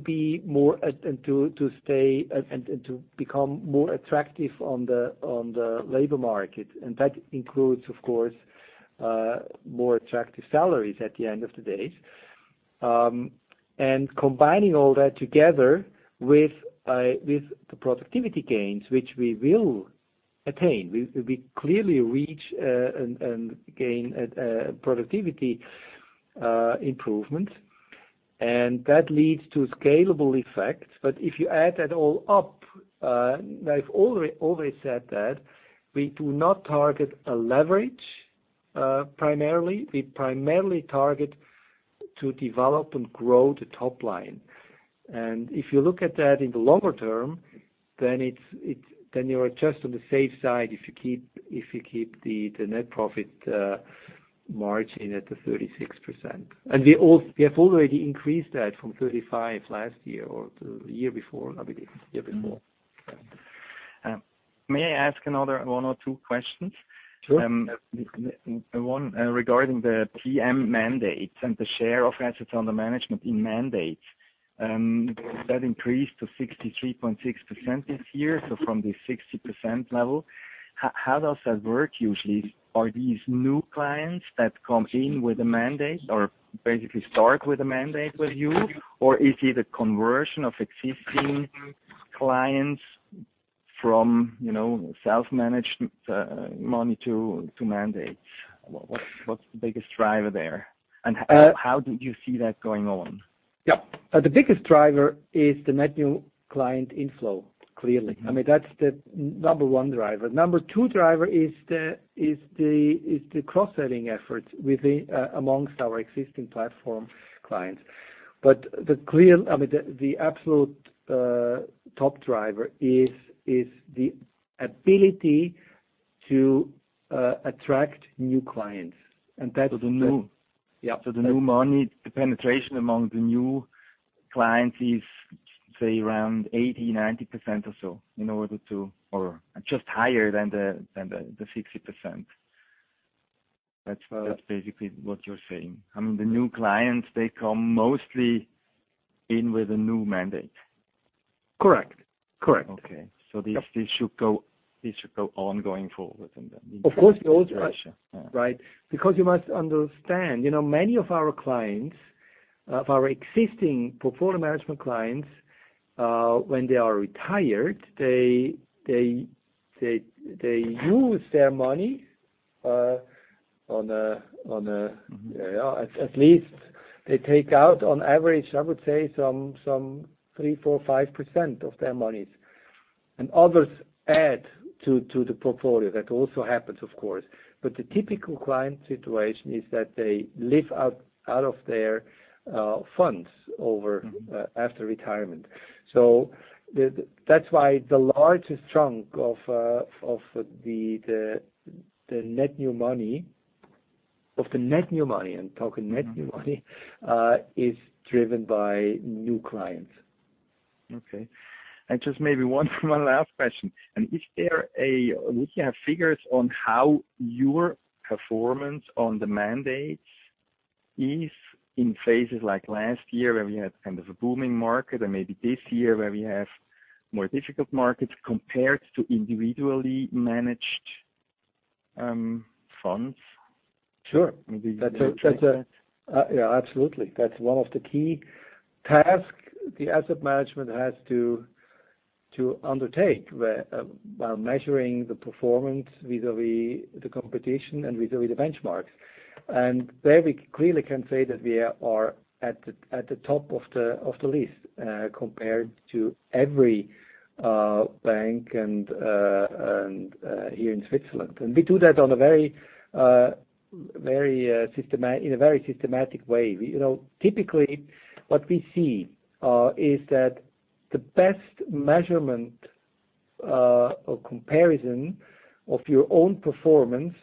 become more attractive on the labor market. That includes, of course, more attractive salaries at the end of the day. Combining all that together with the productivity gains, which we will attain, we clearly reach and gain productivity improvement, and that leads to scalable effects. If you add that all up, I've already said that we do not target a leverage primarily. We primarily target to develop and grow the top line. If you look at that in the longer term, then you are just on the safe side if you keep the net profit margin at 36%. We have already increased that from 35% last year or the year before, I believe, even more. May I ask another one or two questions? Sure. One regarding the PM mandates and the share of assets under management in mandates, that increased to 63.6% this year, so from the 60% level. How does that work usually? Are these new clients that come in with a mandate or basically start with a mandate with you? Or is it a conversion of existing clients from, you know, self-managed money to mandate? What's the biggest driver there? How do you see that going on? Yeah. The biggest driver is the net new client inflow, clearly. I mean, that's the number one driver. Number two driver is the cross-selling efforts amongst our existing platform clients. I mean, the absolute top driver is the ability to attract new clients. That's- So the new- Yeah. The new money, the penetration among the new clients is, say, around 80%-90% or so. Or just higher than the 60%. That's- Well- That's basically what you're saying. I mean, the new clients, they come mostly in with a new mandate. Correct. Correct. Okay. This Yeah This should go going forward. Of course, those are. Yeah. Right? Because you must understand, you know, many of our clients, of our existing portfolio management clients, when they are retired, they use their money, on a- You know, at least they take out on average, I would say some 3, 4, 5% of their monies. Others add to the portfolio. That also happens, of course. The typical client situation is that they live out of their funds over- Mm-hmm. After retirement. That's why the largest chunk of the net new money, I'm talking net new money. Mm-hmm. Is driven by new clients. Okay. Just maybe one more last question. Do you have figures on how your performance on the mandates is in phases like last year where we had kind of a booming market or maybe this year where we have more difficult markets compared to individually managed funds? Sure. Maybe- That's a. Yeah, absolutely. That's one of the key task the asset management has to undertake where while measuring the performance vis-a-vis the competition and vis-a-vis the benchmarks. There, we clearly can say that we are at the top of the list compared to every bank here in Switzerland. We do that in a very systematic way. You know, typically what we see is that the best measurement or comparison of your own performance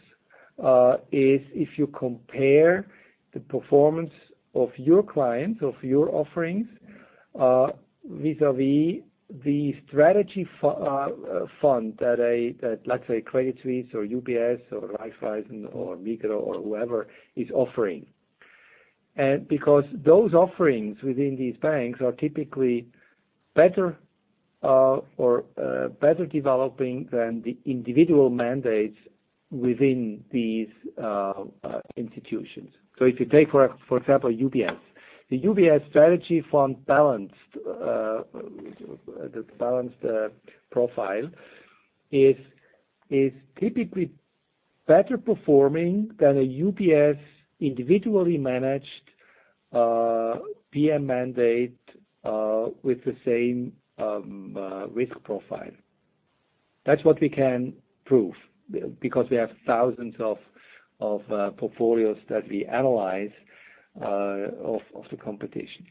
is if you compare the performance of your clients, of your offerings vis-a-vis the strategy fund that, let's say, Credit Suisse or UBS or Raiffeisen or Migros or whoever is offering. Because those offerings within these banks are typically better or better developing than the individual mandates within these institutions. If you take, for example, UBS. The UBS strategy fund balanced, the balanced profile, is typically better performing than a UBS individually managed PM mandate with the same risk profile. That's what we can prove because we have thousands of portfolios that we analyze of the competition.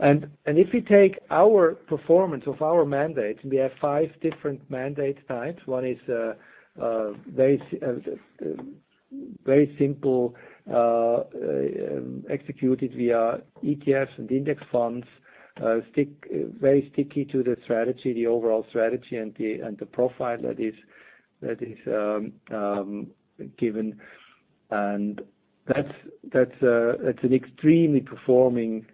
If you take our performance of our mandates, and we have five different mandate types. One is very simple, executed via ETFs and index funds, very sticky to the strategy, the overall strategy and the profile that is given. That's an extremely performing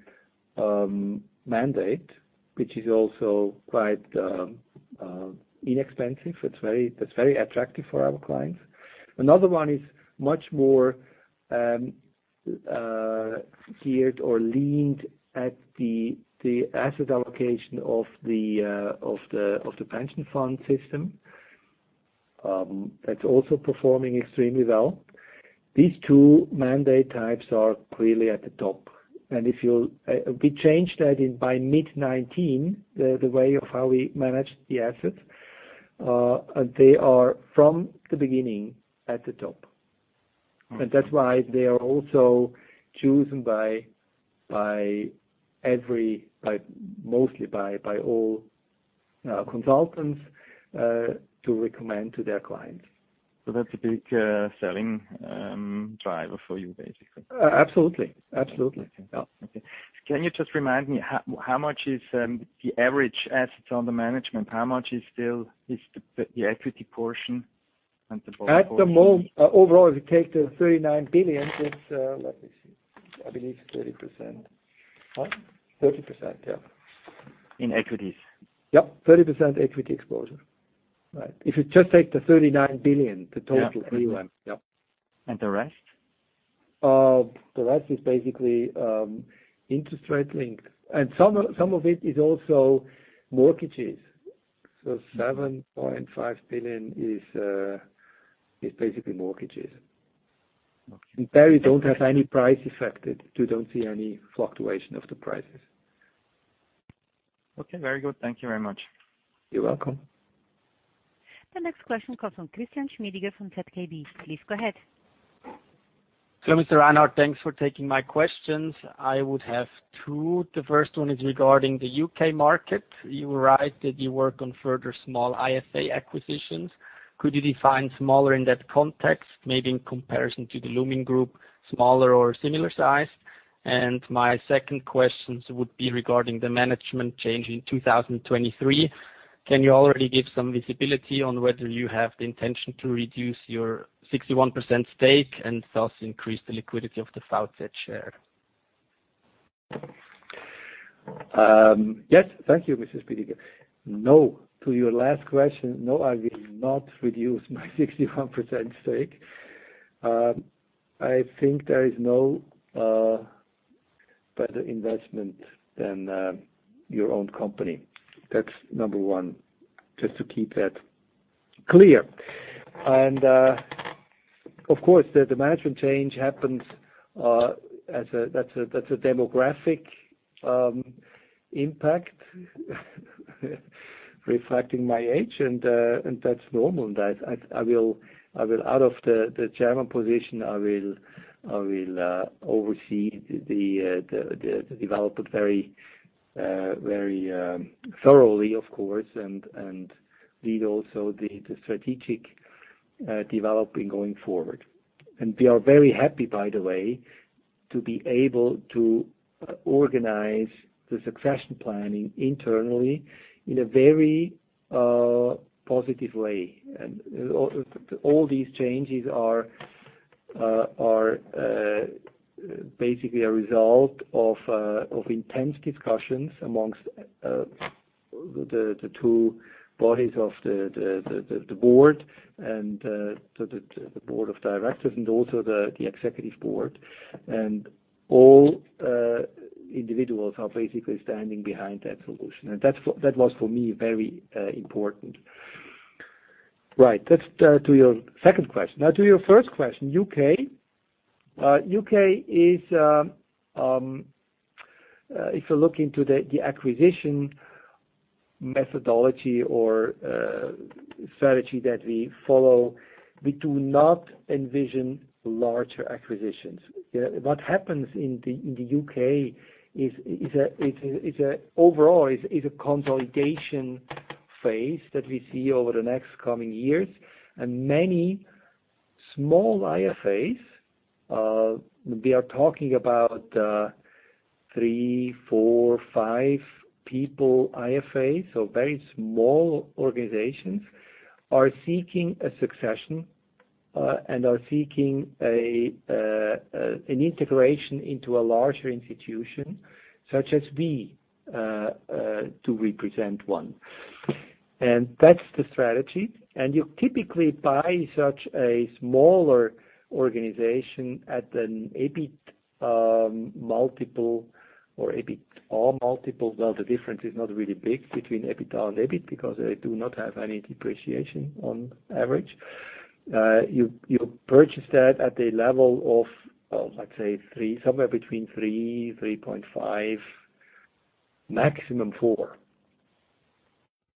mandate, which is also quite inexpensive. That's very attractive for our clients. Another one is much more geared or leaned at the asset allocation of the pension fund system. That's also performing extremely well. These two mandate types are clearly at the top. We changed that in by mid-2019, the way of how we managed the assets, and they are from the beginning at the top. That's why they are also chosen by mostly all consultants to recommend to their clients. That's a big selling driver for you basically? Absolutely. Okay. Can you just remind me how much is the average assets under management? How much is still the equity portion and the bond portion? Overall, if you take the 39 billion, it's, let me see. I believe 30%. 30%, yeah. In equities? Yep. 30% equity exposure. Right. If you just take the 39 billion, the total. Yeah. New one. Yep. The rest? The rest is basically interest rate linked. Some of it is also mortgages. 7.5 billion is basically mortgages. Okay. There you don't have any price effect. You don't see any fluctuation of the prices. Okay, very good. Thank you very much. You're welcome. The next question comes from Christian Schmidiger from ZKB. Please go ahead. Mr. Reinhart, thanks for taking my questions. I would have two. The first one is regarding the U.K. market. You were right that you work on further small IFA acquisitions. Could you define smaller in that context, maybe in comparison to The Lumin Group, smaller or similar size? My second questions would be regarding the management change in 2023. Can you already give some visibility on whether you have the intention to reduce your 61% stake and thus increase the liquidity of the VAUTID share? Yes. Thank you, Mr. Schmidiger. No, to your last question, no, I will not reduce my 61% stake. I think there is no better investment than your own company. That's number one, just to keep that clear. Of course, the management change happens. That's a demographic impact reflecting my age, and that's normal. I will out of the chairman position. I will oversee the development very thoroughly, of course, and lead also the strategic development going forward. We are very happy, by the way, to be able to organize the succession planning internally in a very positive way. All these changes are basically a result of intense discussions among the two bodies of the board and the board of directors and also the executive board. All individuals are basically standing behind that solution. That was for me very important. Right. Let's turn to your second question. Now to your first question, U.K. U.K. is if you look into the acquisition methodology or strategy that we follow, we do not envision larger acquisitions. You know, what happens in the U.K. is overall a consolidation phase that we see over the next coming years. Many small IFAs, we are talking about 3, 4, 5 people IFA, so very small organizations, are seeking a succession and an integration into a larger institution such as we to represent one. That's the strategy. You typically buy such a smaller organization at an EBIT multiple or EBITA multiple. Well, the difference is not really big between EBITA and EBIT because they do not have any depreciation on average. You purchase that at a level of, let's say somewhere between 3-3.5, maximum 4.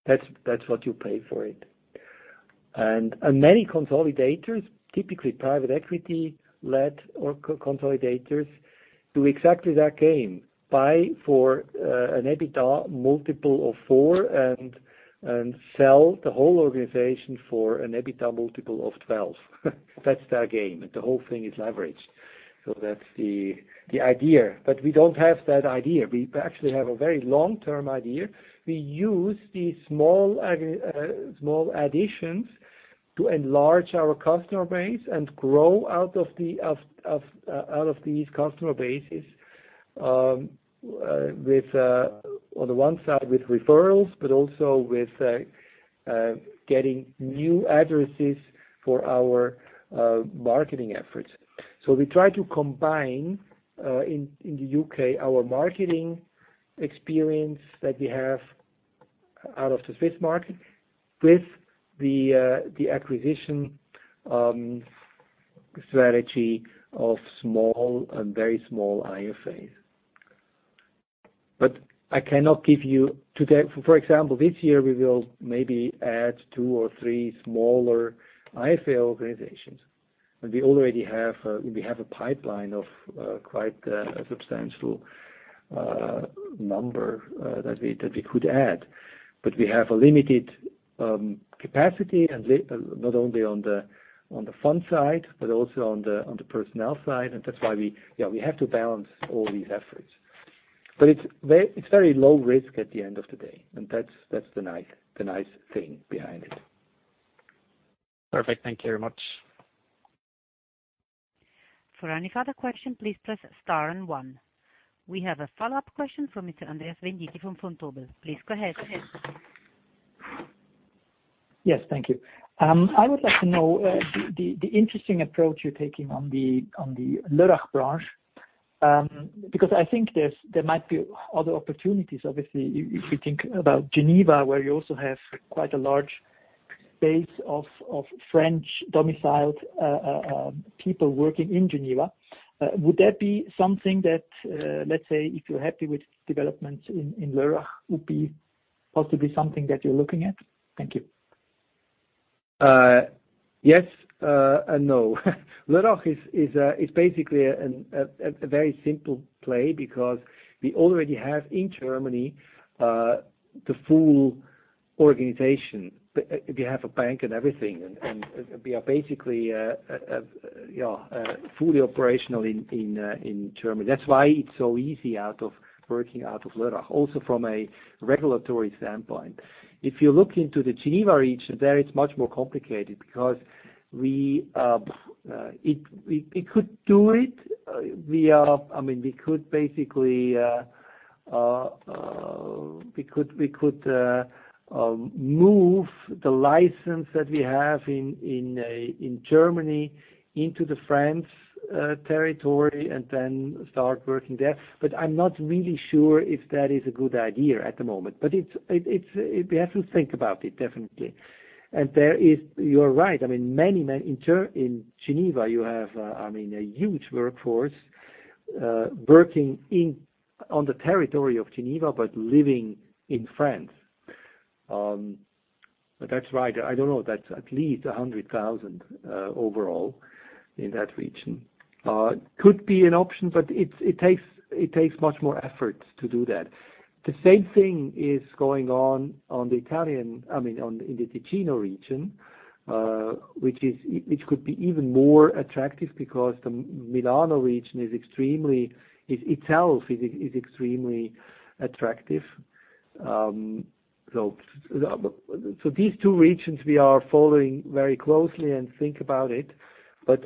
That's what you pay for it. Many consolidators, typically private equity-led or consolidators, do exactly that game. Buy for an EBITA multiple of 4 and sell the whole organization for an EBITA multiple of 12. That's their game, and the whole thing is leveraged. That's the idea. We don't have that idea. We actually have a very long-term idea. We use these small additions to enlarge our customer base and grow out of these customer bases with, on the one side, with referrals, but also with getting new addresses for our marketing efforts. We try to combine in the U.K. our marketing experience that we have out of the Swiss market with the acquisition strategy of small and very small IFAs. I cannot give you. Today, for example, this year we will maybe add two or three smaller IFA organizations. We have a pipeline of quite a substantial number that we could add. We have a limited capacity, not only on the fund side, but also on the personnel side. That's why we have to balance all these efforts. It's very low risk at the end of the day, and that's the nice thing behind it. Perfect. Thank you very much. We have a follow-up question from Mr. Andreas Venditti from Vontobel. Please go ahead. Yes. Thank you. I would like to know the interesting approach you're taking on the Lörrach branch, because I think there might be other opportunities, obviously, if you think about Geneva, where you also have quite a large base of French domiciled people working in Geneva. Would that be something that, let's say if you're happy with developments in Lörrach, would be possibly something that you're looking at? Thank you. Yes, no. Lörrach is basically a very simple play because we already have in Germany the full organization. We have a bank and everything, and we are basically fully operational in Germany. That's why it's so easy working out of Lörrach, also from a regulatory standpoint. If you look into the Geneva region, there it's much more complicated because we could do it. I mean, we could basically move the license that we have in Germany into the France territory and then start working there. But I'm not really sure if that is a good idea at the moment. We have to think about it, definitely. You're right. In Geneva, you have a huge workforce working on the territory of Geneva, but living in France. That's right. I don't know. That's at least 100,000 overall in that region. It could be an option, but it takes much more effort to do that. The same thing is going on in the Ticino region, which could be even more attractive because the Milan region is extremely attractive. These two regions we are following very closely and think about it.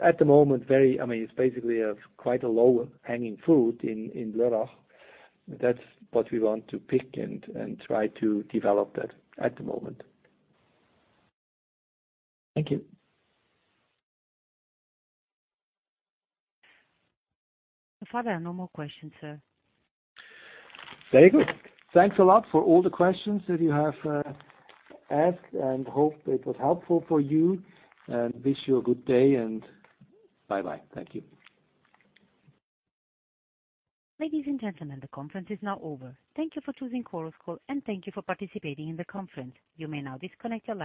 At the moment, it's basically quite a low-hanging fruit in Lörrach. That's what we want to pick and try to develop that at the moment. Thank you. Further, no more questions, sir. Very good. Thanks a lot for all the questions that you have asked, and hope it was helpful for you. Wish you a good day and bye-bye. Thank you. Ladies and gentlemen, the conference is now over. Thank you for choosing Chorus Call, and thank you for participating in the conference. You may now disconnect your lines.